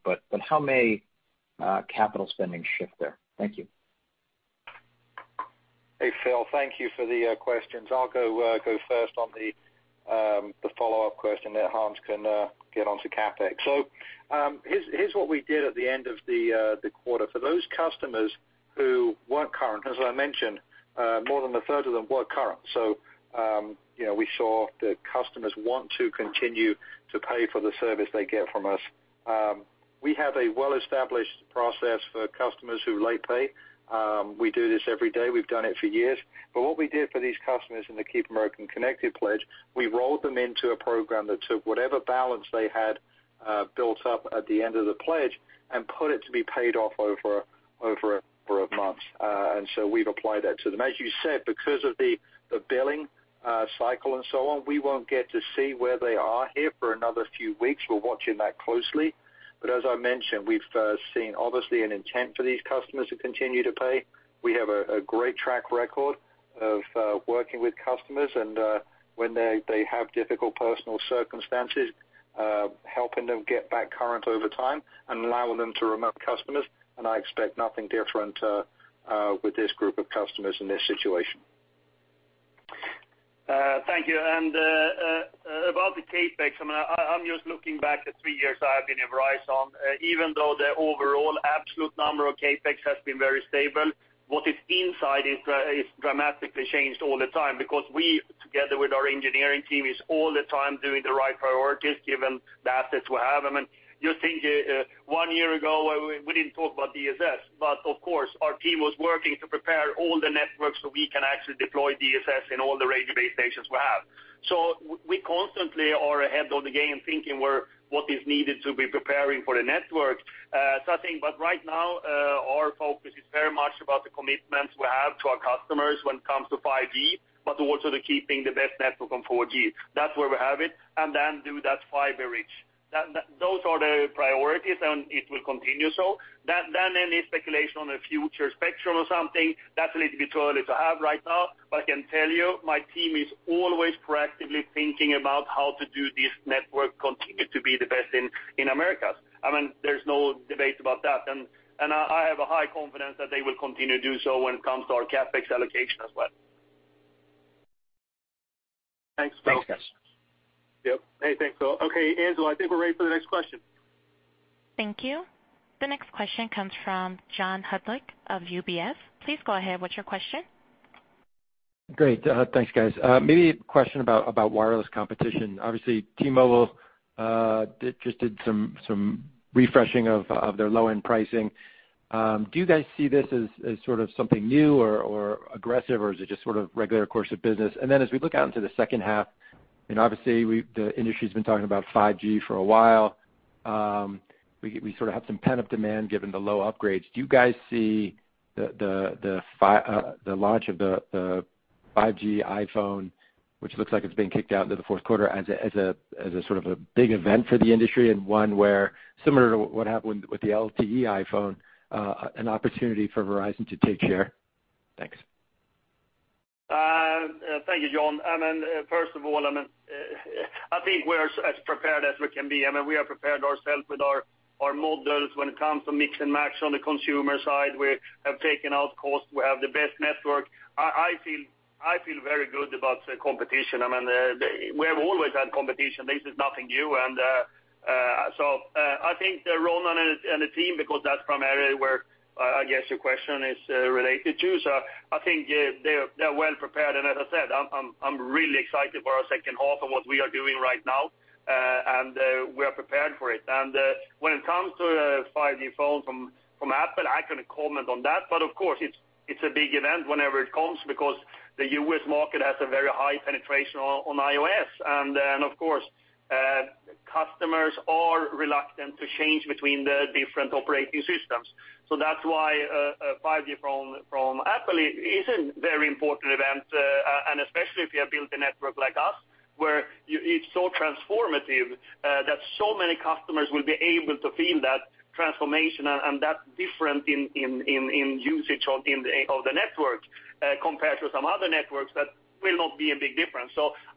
how may capital spending shift there? Thank you. Hey, Phil. Thank you for the questions. I'll go first on the follow-up question, then Hans can get onto CapEx. Here's what we did at the end of the quarter. For those customers who weren't current, as I mentioned, more than a third of them were current. We saw that customers want to continue to pay for the service they get from us. We have a well-established process for customers who late pay. We do this every day. We've done it for years. What we did for these customers in the Keep Americans Connected Pledge, we rolled them into a program that took whatever balance they had built up at the end of the pledge and put it to be paid off over a month. We've applied that to them. As you said, because of the billing cycle and so on, we won't get to see where they are here for another few weeks. We're watching that closely. As I mentioned, we've seen obviously an intent for these customers to continue to pay. We have a great track record of working with customers and when they have difficult personal circumstances, helping them get back current over time and allowing them to remote customers, and I expect nothing different with this group of customers in this situation. Thank you. About the CapEx, I'm just looking back at three years I have been at Verizon. Even though the overall absolute number of CapEx has been very stable, what is inside is dramatically changed all the time because we, together with our engineering team, is all the time doing the right priorities given the assets we have. I mean, you think one year ago, we didn't talk about DSS, but of course, our team was working to prepare all the networks so we can actually deploy DSS in all the radio base stations we have. We constantly are ahead of the game, thinking what is needed to be preparing for the network. Right now, our focus is very much about the commitments we have to our customers when it comes to 5G, but also keeping the best network on 4G. That's where we have it, and then do that fiber rich. Those are the priorities. It will continue so. Than any speculation on a future spectrum or something, that's a little bit early to have right now. I can tell you, my team is always proactively thinking about how to do this network continue to be the best in America. I mean, there's no debate about that. I have a high confidence that they will continue to do so when it comes to our CapEx allocation as well. Thanks, guys. Yep. Hey, thanks. Okay, Angela, I think we're ready for the next question. Thank you. The next question comes from John Hodulik of UBS. Please go ahead with your question. Great. Thanks, guys. Maybe a question about wireless competition. Obviously, T-Mobile just did some refreshing of their low-end pricing. Do you guys see this as something new or aggressive, or is it just regular course of business? As we look out into the second half, obviously the industry's been talking about 5G for a while. We sort of have some pent-up demand given the low upgrades. Do you guys see the launch of the 5G iPhone, which looks like it's being kicked out into the fourth quarter, as a sort of a big event for the industry and one where, similar to what happened with the LTE iPhone, an opportunity for Verizon to take share? Thanks. Thank you, John. First of all, I think we're as prepared as we can be. We have prepared ourselves with our models when it comes to mix and match on the consumer side. We have taken out costs. We have the best network. I feel very good about the competition. We have always had competition. This is nothing new. I think Ronan and the team, because that's primarily where I guess your question is related to. I think they're well prepared, and as I said, I'm really excited for our second half of what we are doing right now, and we are prepared for it. When it comes to 5G phone from Apple, I couldn't comment on that. Of course, it's a big event whenever it comes because the U.S. market has a very high penetration on iOS. Of course, customers are reluctant to change between the different operating systems. That's why a 5G phone from Apple is a very important event, and especially if you have built a network like us, where it's so transformative that so many customers will be able to feel that transformation and that difference in usage of the network compared to some other networks that will not be a big difference.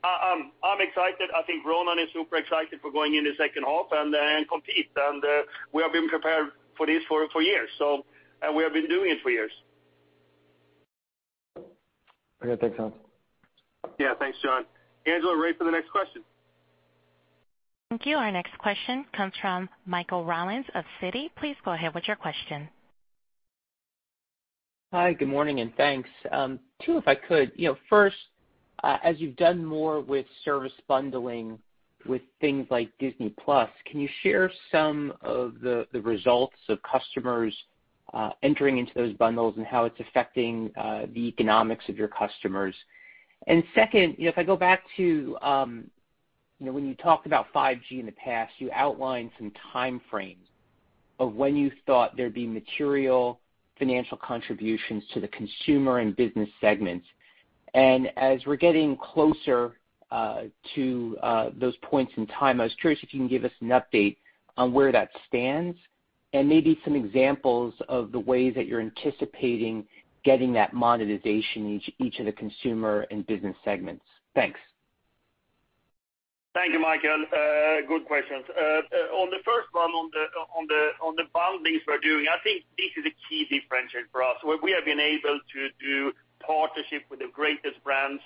I'm excited. I think Ronan is super excited for going in the second half and compete, and we have been prepared for this for years, and we have been doing it for years. Okay. Thanks, Hans. Yeah. Thanks, John. Angela, ready for the next question. Thank you. Our next question comes from Michael Rollins of Citi. Please go ahead with your question. Hi, good morning and thanks. Two, if I could. First, as you've done more with service bundling with things like Disney+, can you share some of the results of customers entering into those bundles and how it's affecting the economics of your customers? Second, if I go back to when you talked about 5G in the past, you outlined some time frames of when you thought there'd be material financial contributions to the consumer and business segments. As we're getting closer to those points in time, I was curious if you can give us an update on where that stands, and maybe some examples of the ways that you're anticipating getting that monetization in each of the consumer and business segments. Thanks. Thank you, Michael. Good questions. On the first one, on the bundlings we're doing, I think this is a key differentiator for us, where we have been able to do partnership with the greatest brands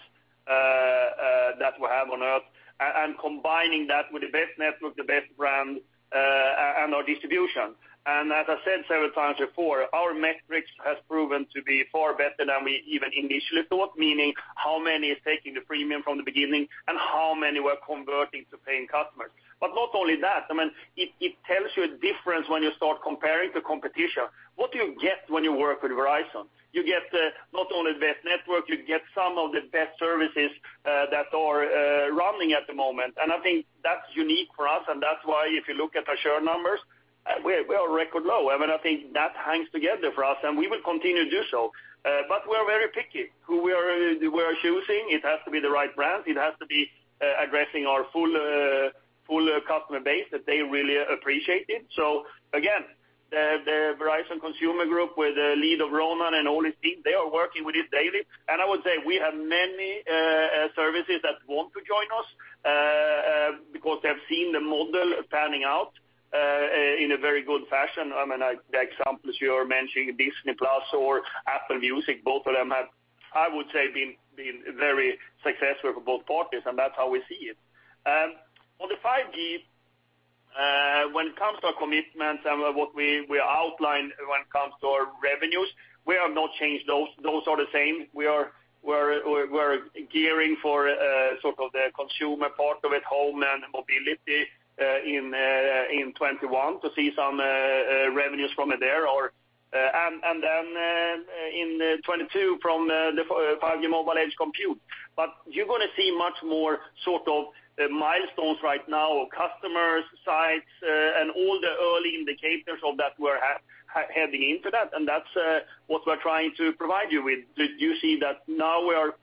that we have on Earth, combining that with the best network, the best brand, and our distribution. As I said several times before, our metrics has proven to be far better than we even initially thought. Meaning, how many is taking the premium from the beginning, and how many we're converting to paying customers. Not only that, it tells you a difference when you start comparing to competition. What do you get when you work with Verizon? You get not only the best network, you get some of the best services that are running at the moment. I think that's unique for us, and that's why if you look at our churn numbers, we are record low. I think that hangs together for us, and we will continue to do so. We're very picky who we are choosing. It has to be the right brand. It has to be addressing our full customer base, that they really appreciate it. Again, the Verizon Consumer Group, with the lead of Ronan and all his team, they are working with it daily. I would say we have many services that want to join us, because they've seen the model panning out in a very good fashion. The examples you are mentioning, Disney+ or Apple Music, both of them have, I would say, been very successful for both parties, and that's how we see it. On the 5G, when it comes to our commitments and what we outline when it comes to our revenues, we have not changed those. Those are the same. We're gearing for the consumer part of it, home and mobility, in 2021 to see some revenues from it there. Then in 2022 from the 5G Mobile Edge Compute. You're going to see much more milestones right now, or customer sites, and all the early indicators of that, we're heading into that. That's what we're trying to provide you with. You see that now we are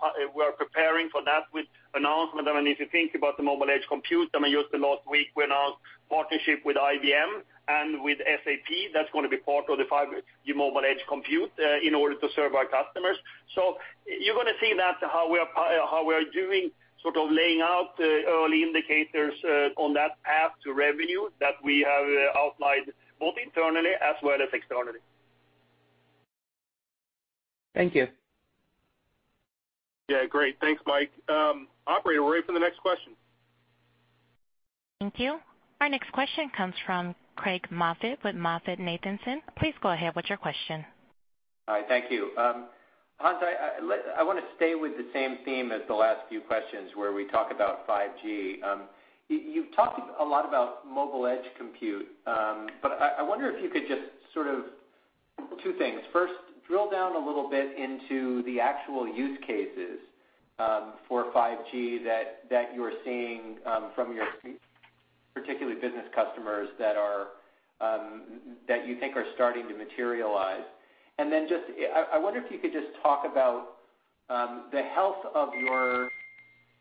preparing for that with announcement. If you think about the Mobile Edge Compute, just the last week, we announced partnership with IBM and with SAP. That's going to be part of the 5G Mobile Edge Compute in order to serve our customers. You're going to see that how we are doing, laying out early indicators on that path to revenue that we have outlined, both internally as well as externally. Thank you. Yeah, great. Thanks, Mike. Operator, we're ready for the next question. Thank you. Our next question comes from Craig Moffett with MoffettNathanson. Please go ahead with your question. Hi, thank you. Hans, I want to stay with the same theme as the last few questions where we talk about 5G. You've talked a lot about Mobile Edge Compute. I wonder if you could just, two things. First, drill down a little bit into the actual use cases for 5G that you are seeing from your, particularly business customers, that you think are starting to materialize. I wonder if you could just talk about the health of your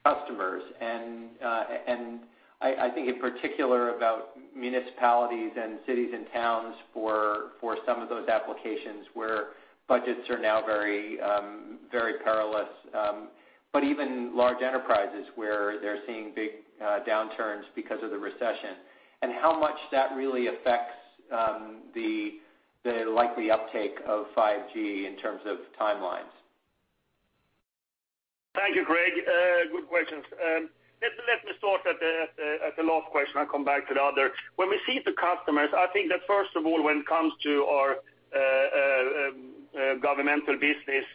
customers and I think in particular about municipalities and cities and towns for some of those applications where budgets are now very perilous. Even large enterprises where they're seeing big downturns because of the recession, and how much that really affects the likely uptake of 5G in terms of timelines. Thank you, Craig. Good questions. Let me start at the last question and come back to the other. When we see the customers, I think that first of all, when it comes to our governmental business,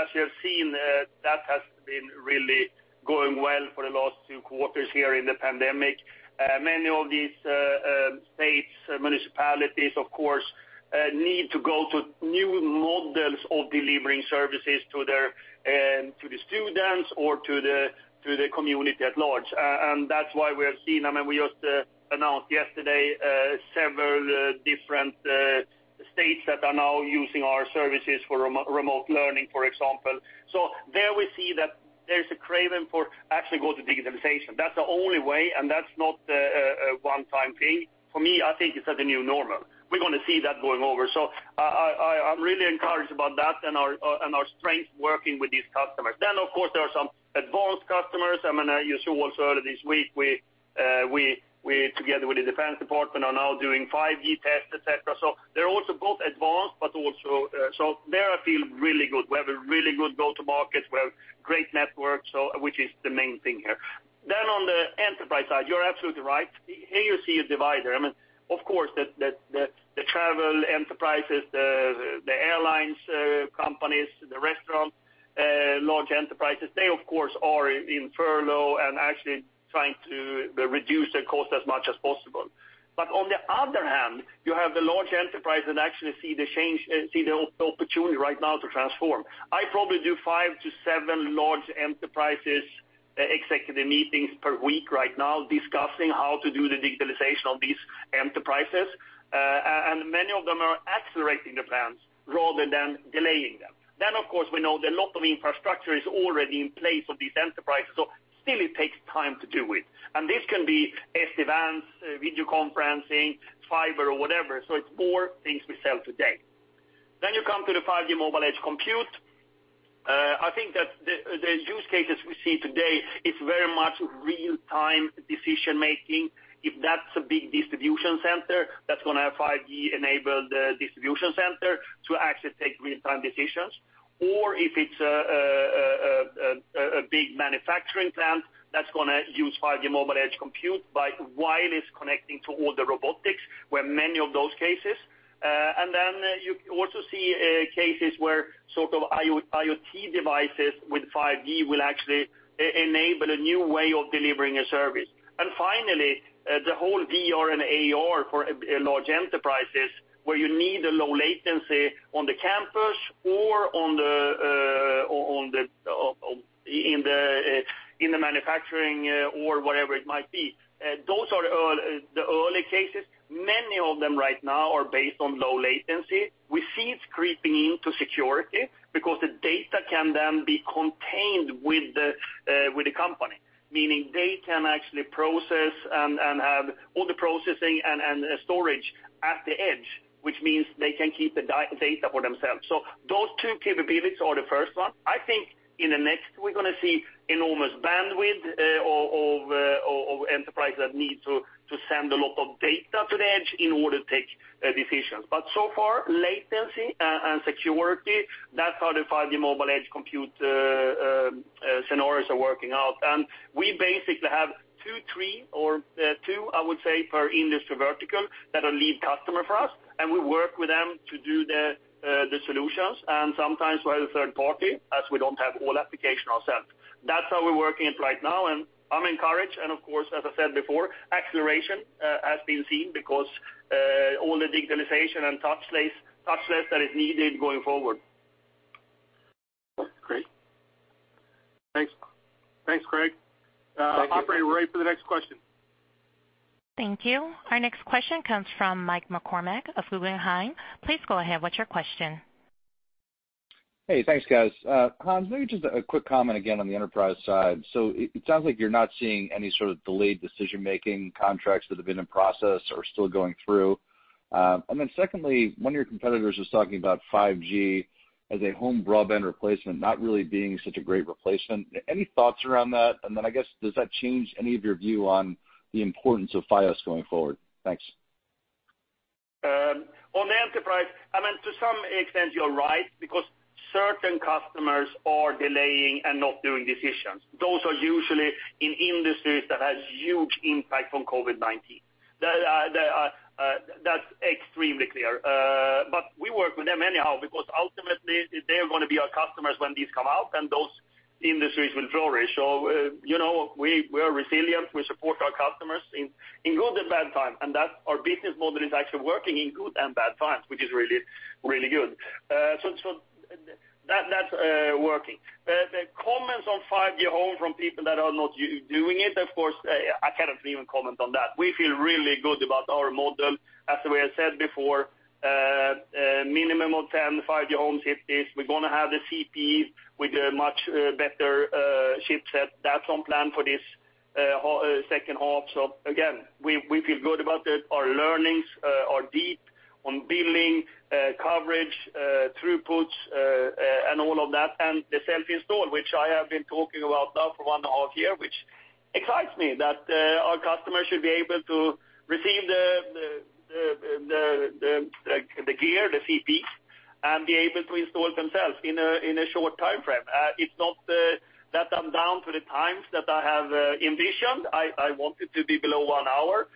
as you have seen, that has been really going well for the last two quarters here in the pandemic. Many of these states, municipalities, of course, need to go to new models of delivering services to the students or to the community at large. That's why we have seen, we just announced yesterday, several different states that are now using our services for remote learning, for example. There we see that there's a craving for actually go to digitization. That's the only way, and that's not a one-time thing. For me, I think it's the new normal. We're going to see that going over. I'm really encouraged about that and our strength working with these customers. Of course, there are some advanced customers. You saw also earlier this week, we together with the Department of Defense are now doing 5G tests, et cetera. They're also both advanced, so there I feel really good. We have a really good go to market. We have great network, which is the main thing here. On the enterprise side, you're absolutely right. Here you see a divider. Of course, the travel enterprises, the airlines companies, the restaurant large enterprises, they of course are in furlough and actually trying to reduce their cost as much as possible. On the other hand, you have the large enterprise that actually see the opportunity right now to transform. I probably do five to seven large enterprises executive meetings per week right now discussing how to do the digitalization of these enterprises. Many of them are accelerating the plans rather than delaying them. Of course, we know that a lot of infrastructure is already in place for these enterprises, still it takes time to do it. This can be SD-WANs, video conferencing, fiber, or whatever. It's more things we sell today. You come to the 5G Mobile Edge Compute. I think that the use cases we see today, it's very much real-time decision-making. If that's a big distribution center, that's going to have 5G-enabled distribution center to actually take real-time decisions. If it's a big manufacturing plant, that's going to use 5G Mobile Edge Compute by wireless connecting to all the robotics, where many of those cases. Then you also see cases where sort of IoT devices with 5G will actually enable a new way of delivering a service. Finally, the whole VR and AR for large enterprises, where you need a low latency on the campus or in the manufacturing or whatever it might be. Those are the early cases. Many of them right now are based on low latency. We see it's creeping into security because the data can then be contained with the company, meaning they can actually process and have all the processing and storage at the edge, which means they can keep the data for themselves. Those two capabilities are the first one. I think in the next, we're going to see enormous bandwidth of enterprise that need to send a lot of data to the edge in order to take decisions. So far, latency and security, that's how the 5G Mobile Edge Compute scenarios are working out. We basically have two, three or two, I would say, per industry vertical that are lead customer for us, and we work with them to do the solutions and sometimes via the third party, as we don't have all application ourselves. That's how we're working it right now, and I'm encouraged. Of course, as I said before, acceleration has been seen because all the digitalization and touchless that is needed going forward. Great. Thanks, Craig. Thank you. Operator, we're ready for the next question. Thank you. Our next question comes from Mike McCormack of Guggenheim. Please go ahead. What's your question? Hey, thanks, guys. Hans, maybe just a quick comment again on the enterprise side. It sounds like you're not seeing any sort of delayed decision-making, contracts that have been in process are still going through. Secondly, one of your competitors was talking about 5G as a home broadband replacement, not really being such a great replacement. Any thoughts around that? I guess, does that change any of your view on the importance of Fios going forward? Thanks. On the enterprise, to some extent you're right, because certain customers are delaying and not doing decisions. Those are usually in industries that has huge impact from COVID-19. That's extremely clear. We work with them anyhow, because ultimately they're going to be our customers when these come out, and those industries will flourish. We are resilient. We support our customers in good and bad time, and that our business model is actually working in good and bad times, which is really good. That's working. The comments on 5G home from people that are not doing it, of course, I cannot even comment on that. We feel really good about our model. As we have said before, minimum of 10 5G home CPEs. We're going to have the CPE with a much better chipset. That's on plan for this second half. Again, we feel good about it. Our learnings are deep on billing, coverage, throughputs, and all of that. The self-install, which I have been talking about now for one and a half year, which excites me that our customers should be able to receive the gear, the CPE, and be able to install it themselves in a short timeframe. It's not that I'm down to the times that I have envisioned. I want it to be below one hour,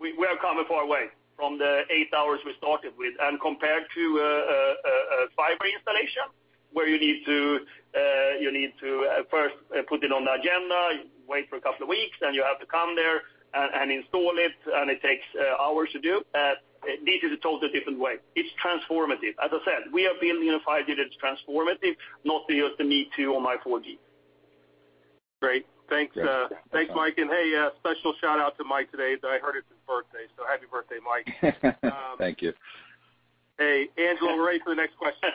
we have come a far way from the eight hours we started with. Compared to a fiber installation, where you need to first put it on the agenda, wait for a couple of weeks, then you have to come there and install it, and it takes hours to do. This is a totally different way. It's transformative. As I said, we are building a 5G that's transformative, not just a me too on my 4G. Great. Thanks, Mike. Hey, a special shout-out to Mike today that I heard it's his birthday. Happy birthday, Mike. Thank you. Hey, Angela, we're ready for the next question.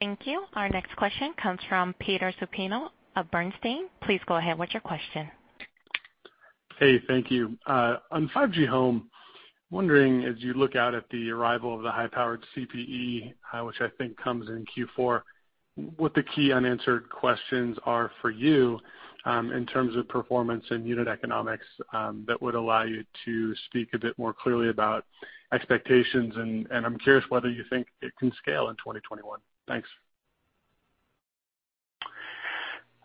Thank you. Our next question comes from Peter Supino of Bernstein. Please go ahead with your question. Hey, thank you. On 5G home, wondering as you look out at the arrival of the high-powered CPE, which I think comes in Q4, what the key unanswered questions are for you in terms of performance and unit economics that would allow you to speak a bit more clearly about expectations. I'm curious whether you think it can scale in 2021. Thanks.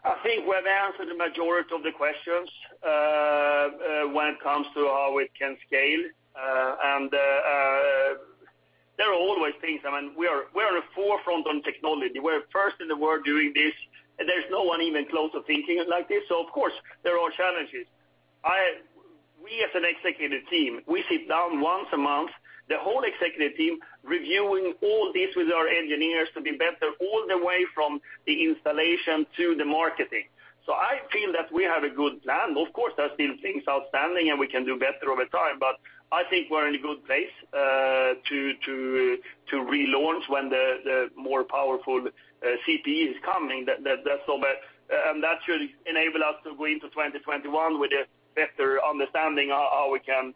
I think we've answered the majority of the questions when it comes to how we can scale. There are always things. We are at the forefront of technology. We're first in the world doing this, and there's no one even close to thinking like this, so of course, there are challenges. We as an executive team, we sit down once a month, the whole executive team, reviewing all this with our engineers to be better all the way from the installation to the marketing. I feel that we have a good plan. Of course, there's still things outstanding, and we can do better over time, but I think we're in a good place to relaunch when the more powerful CPE is coming. That should enable us to go into 2021 with a better understanding of how we can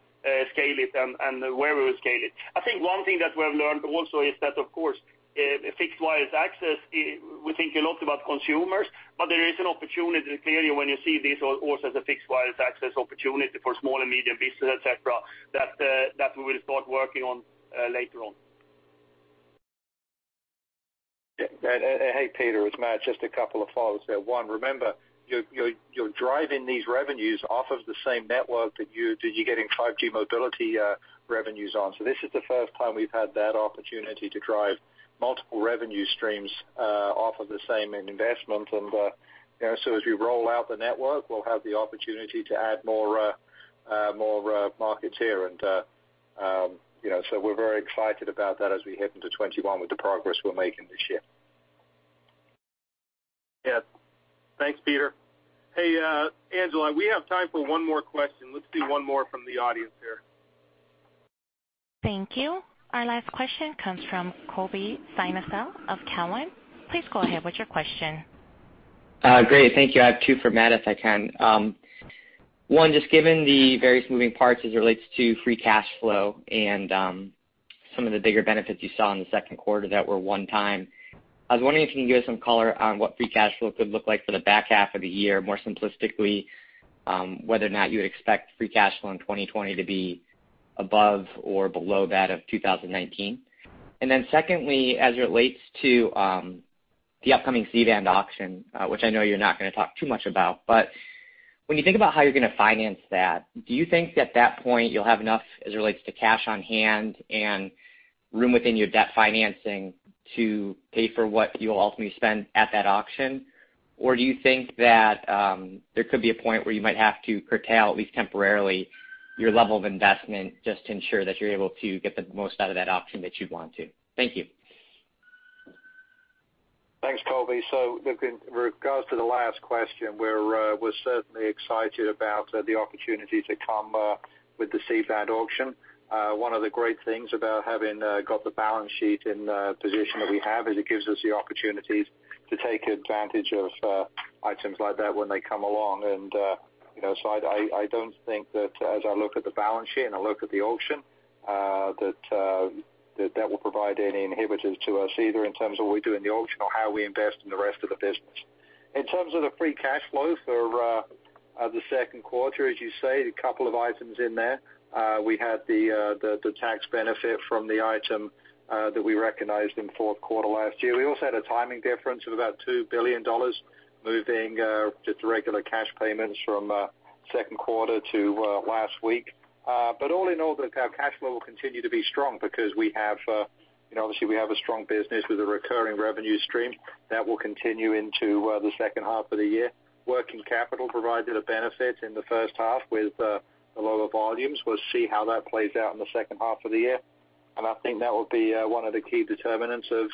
scale it and where we will scale it. I think one thing that we have learned also is that, of course, fixed wireless access, we think a lot about consumers, but there is an opportunity, clearly, when you see this also as a fixed wireless access opportunity for small and medium business, et cetera, that we will start working on later on. Hey, Peter, it's Matt. Just a couple of follows there. One, remember, you're driving these revenues off of the same network that you're getting 5G mobility revenues on. This is the first time we've had that opportunity to drive multiple revenue streams off of the same investment. As we roll out the network, we'll have the opportunity to add more markets here. We're very excited about that as we head into 2021 with the progress we're making this year. Thanks, Peter. Hey, Angela, we have time for one more question. Let's take one more from the audience here. Thank you. Our last question comes from Colby Synesael of Cowen. Please go ahead with your question. Great. Thank you. I have two for Matt, if I can. One, just given the various moving parts as it relates to free cash flow and some of the bigger benefits you saw in the second quarter that were one time, I was wondering if you can give us some color on what free cash flow could look like for the back half of the year, more simplistically, whether or not you would expect free cash flow in 2020 to be above or below that of 2019. Secondly, as it relates to the upcoming C-band auction, which I know you're not going to talk too much about, but when you think about how you're going to finance that, do you think at that point you'll have enough as it relates to cash on hand and room within your debt financing to pay for what you'll ultimately spend at that auction? Do you think that there could be a point where you might have to curtail, at least temporarily, your level of investment just to ensure that you're able to get the most out of that auction that you'd want to? Thank you. Thanks, Colby. In regards to the last question, we're certainly excited about the opportunity to come with the C-band auction. One of the great things about having got the balance sheet in the position that we have is it gives us the opportunities to take advantage of items like that when they come along. I don't think that as I look at the balance sheet and I look at the auction, that will provide any inhibitors to us, either in terms of what we do in the auction or how we invest in the rest of the business. In terms of the free cash flow for the second quarter, as you say, a couple of items in there. We had the tax benefit from the item that we recognized in fourth quarter last year. We also had a timing difference of about $2 billion moving just the regular cash payments from second quarter to last week. All in all, our cash flow will continue to be strong because obviously, we have a strong business with a recurring revenue stream that will continue into the second half of the year. Working capital provided a benefit in the first half with the lower volumes. We'll see how that plays out in the second half of the year. I think that will be one of the key determinants of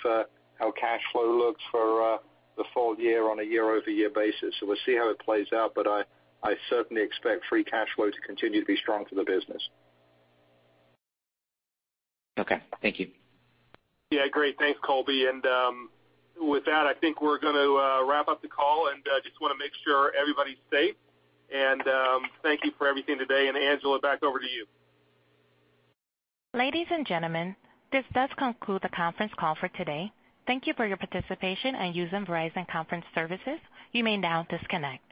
how cash flow looks for the full year on a year-over-year basis. We'll see how it plays out, but I certainly expect free cash flow to continue to be strong for the business. Okay. Thank you. Yeah, great. Thanks, Colby. With that, I think we're going to wrap up the call, and I just want to make sure everybody's safe. Thank you for everything today, and Angela, back over to you. Ladies and gentlemen, this does conclude the conference call for today. Thank you for your participation and using Verizon Conferencing. You may now disconnect.